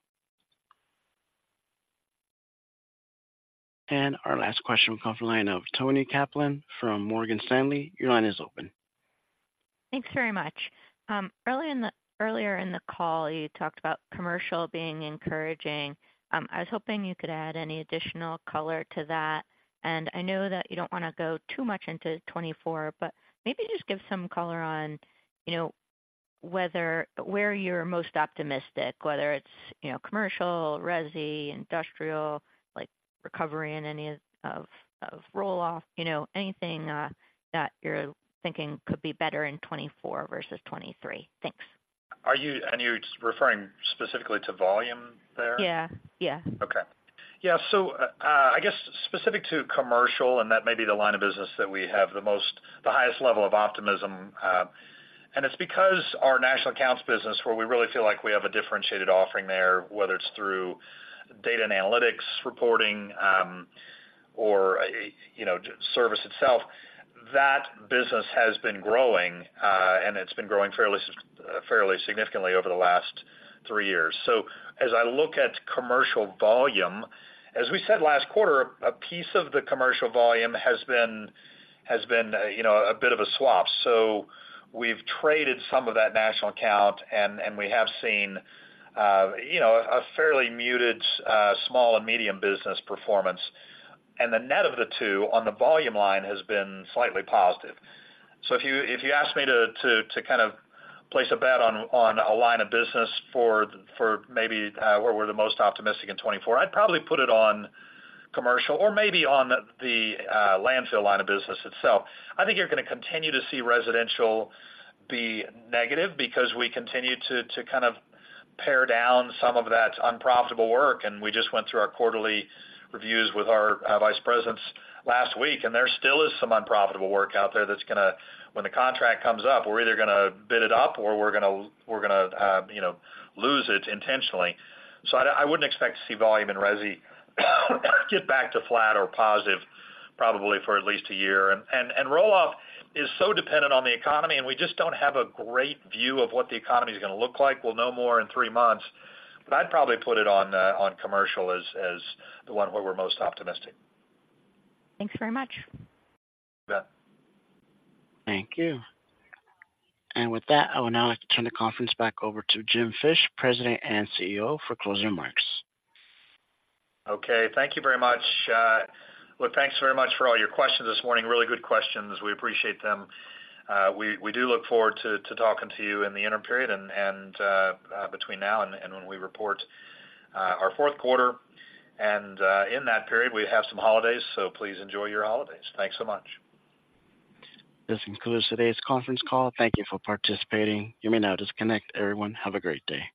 [SPEAKER 1] Our last question will come from the line of Toni Kaplan from Morgan Stanley. Your line is open.
[SPEAKER 18] Thanks very much. Earlier in the call, you talked about commercial being encouraging. I was hoping you could add any additional color to that. And I know that you don't wanna go too much into 2024, but maybe just give some color on, you know, where you're most optimistic, whether it's, you know, commercial, resi, industrial, like, recovery in any of roll-off, you know, anything that you're thinking could be better in 2024 versus 2023. Thanks. And you're referring specifically to volume there?
[SPEAKER 1] Yeah. Yeah.
[SPEAKER 3] Okay. Yeah, so, I guess specific to commercial, and that may be the line of business that we have the most, the highest level of optimism, and it's because our national accounts business, where we really feel like we have a differentiated offering there, whether it's through data and analytics, reporting, or, you know, service itself, that business has been growing, and it's been growing fairly significantly over the last three years. So as I look at commercial volume, as we said last quarter, a piece of the commercial volume has been, you know, a bit of a swap. So we've traded some of that national account, and we have seen, you know, a fairly muted, small and medium business performance. And the net of the two on the volume line has been slightly positive. So if you ask me to kind of place a bet on a line of business for maybe where we're the most optimistic in 2024, I'd probably put it on commercial or maybe on the landfill line of business itself. I think you're gonna continue to see residential be negative because we continue to kind of pare down some of that unprofitable work, and we just went through our quarterly reviews with our vice presidents last week, and there still is some unprofitable work out there that's gonna, When the contract comes up, we're either gonna bid it up or we're gonna you know, lose it intentionally. So I wouldn't expect to see volume in resi get back to flat or positive, probably for at least a year. And roll-off is so dependent on the economy, and we just don't have a great view of what the economy is gonna look like. We'll know more in three months, but I'd probably put it on commercial as the one where we're most optimistic.
[SPEAKER 18] Thanks very much.
[SPEAKER 3] You bet.
[SPEAKER 1] Thank you. With that, I would now like to turn the conference back over to Jim Fish, President and CEO, for closing remarks.
[SPEAKER 3] Okay. Thank you very much. Well, thanks very much for all your questions this morning. Really good questions. We appreciate them. We do look forward to talking to you in the interim period and between now and when we report our fourth quarter. And in that period, we have some holidays, so please enjoy your holidays. Thanks so much.
[SPEAKER 1] This concludes today's conference call. Thank you for participating. You may now disconnect. Everyone, have a great day.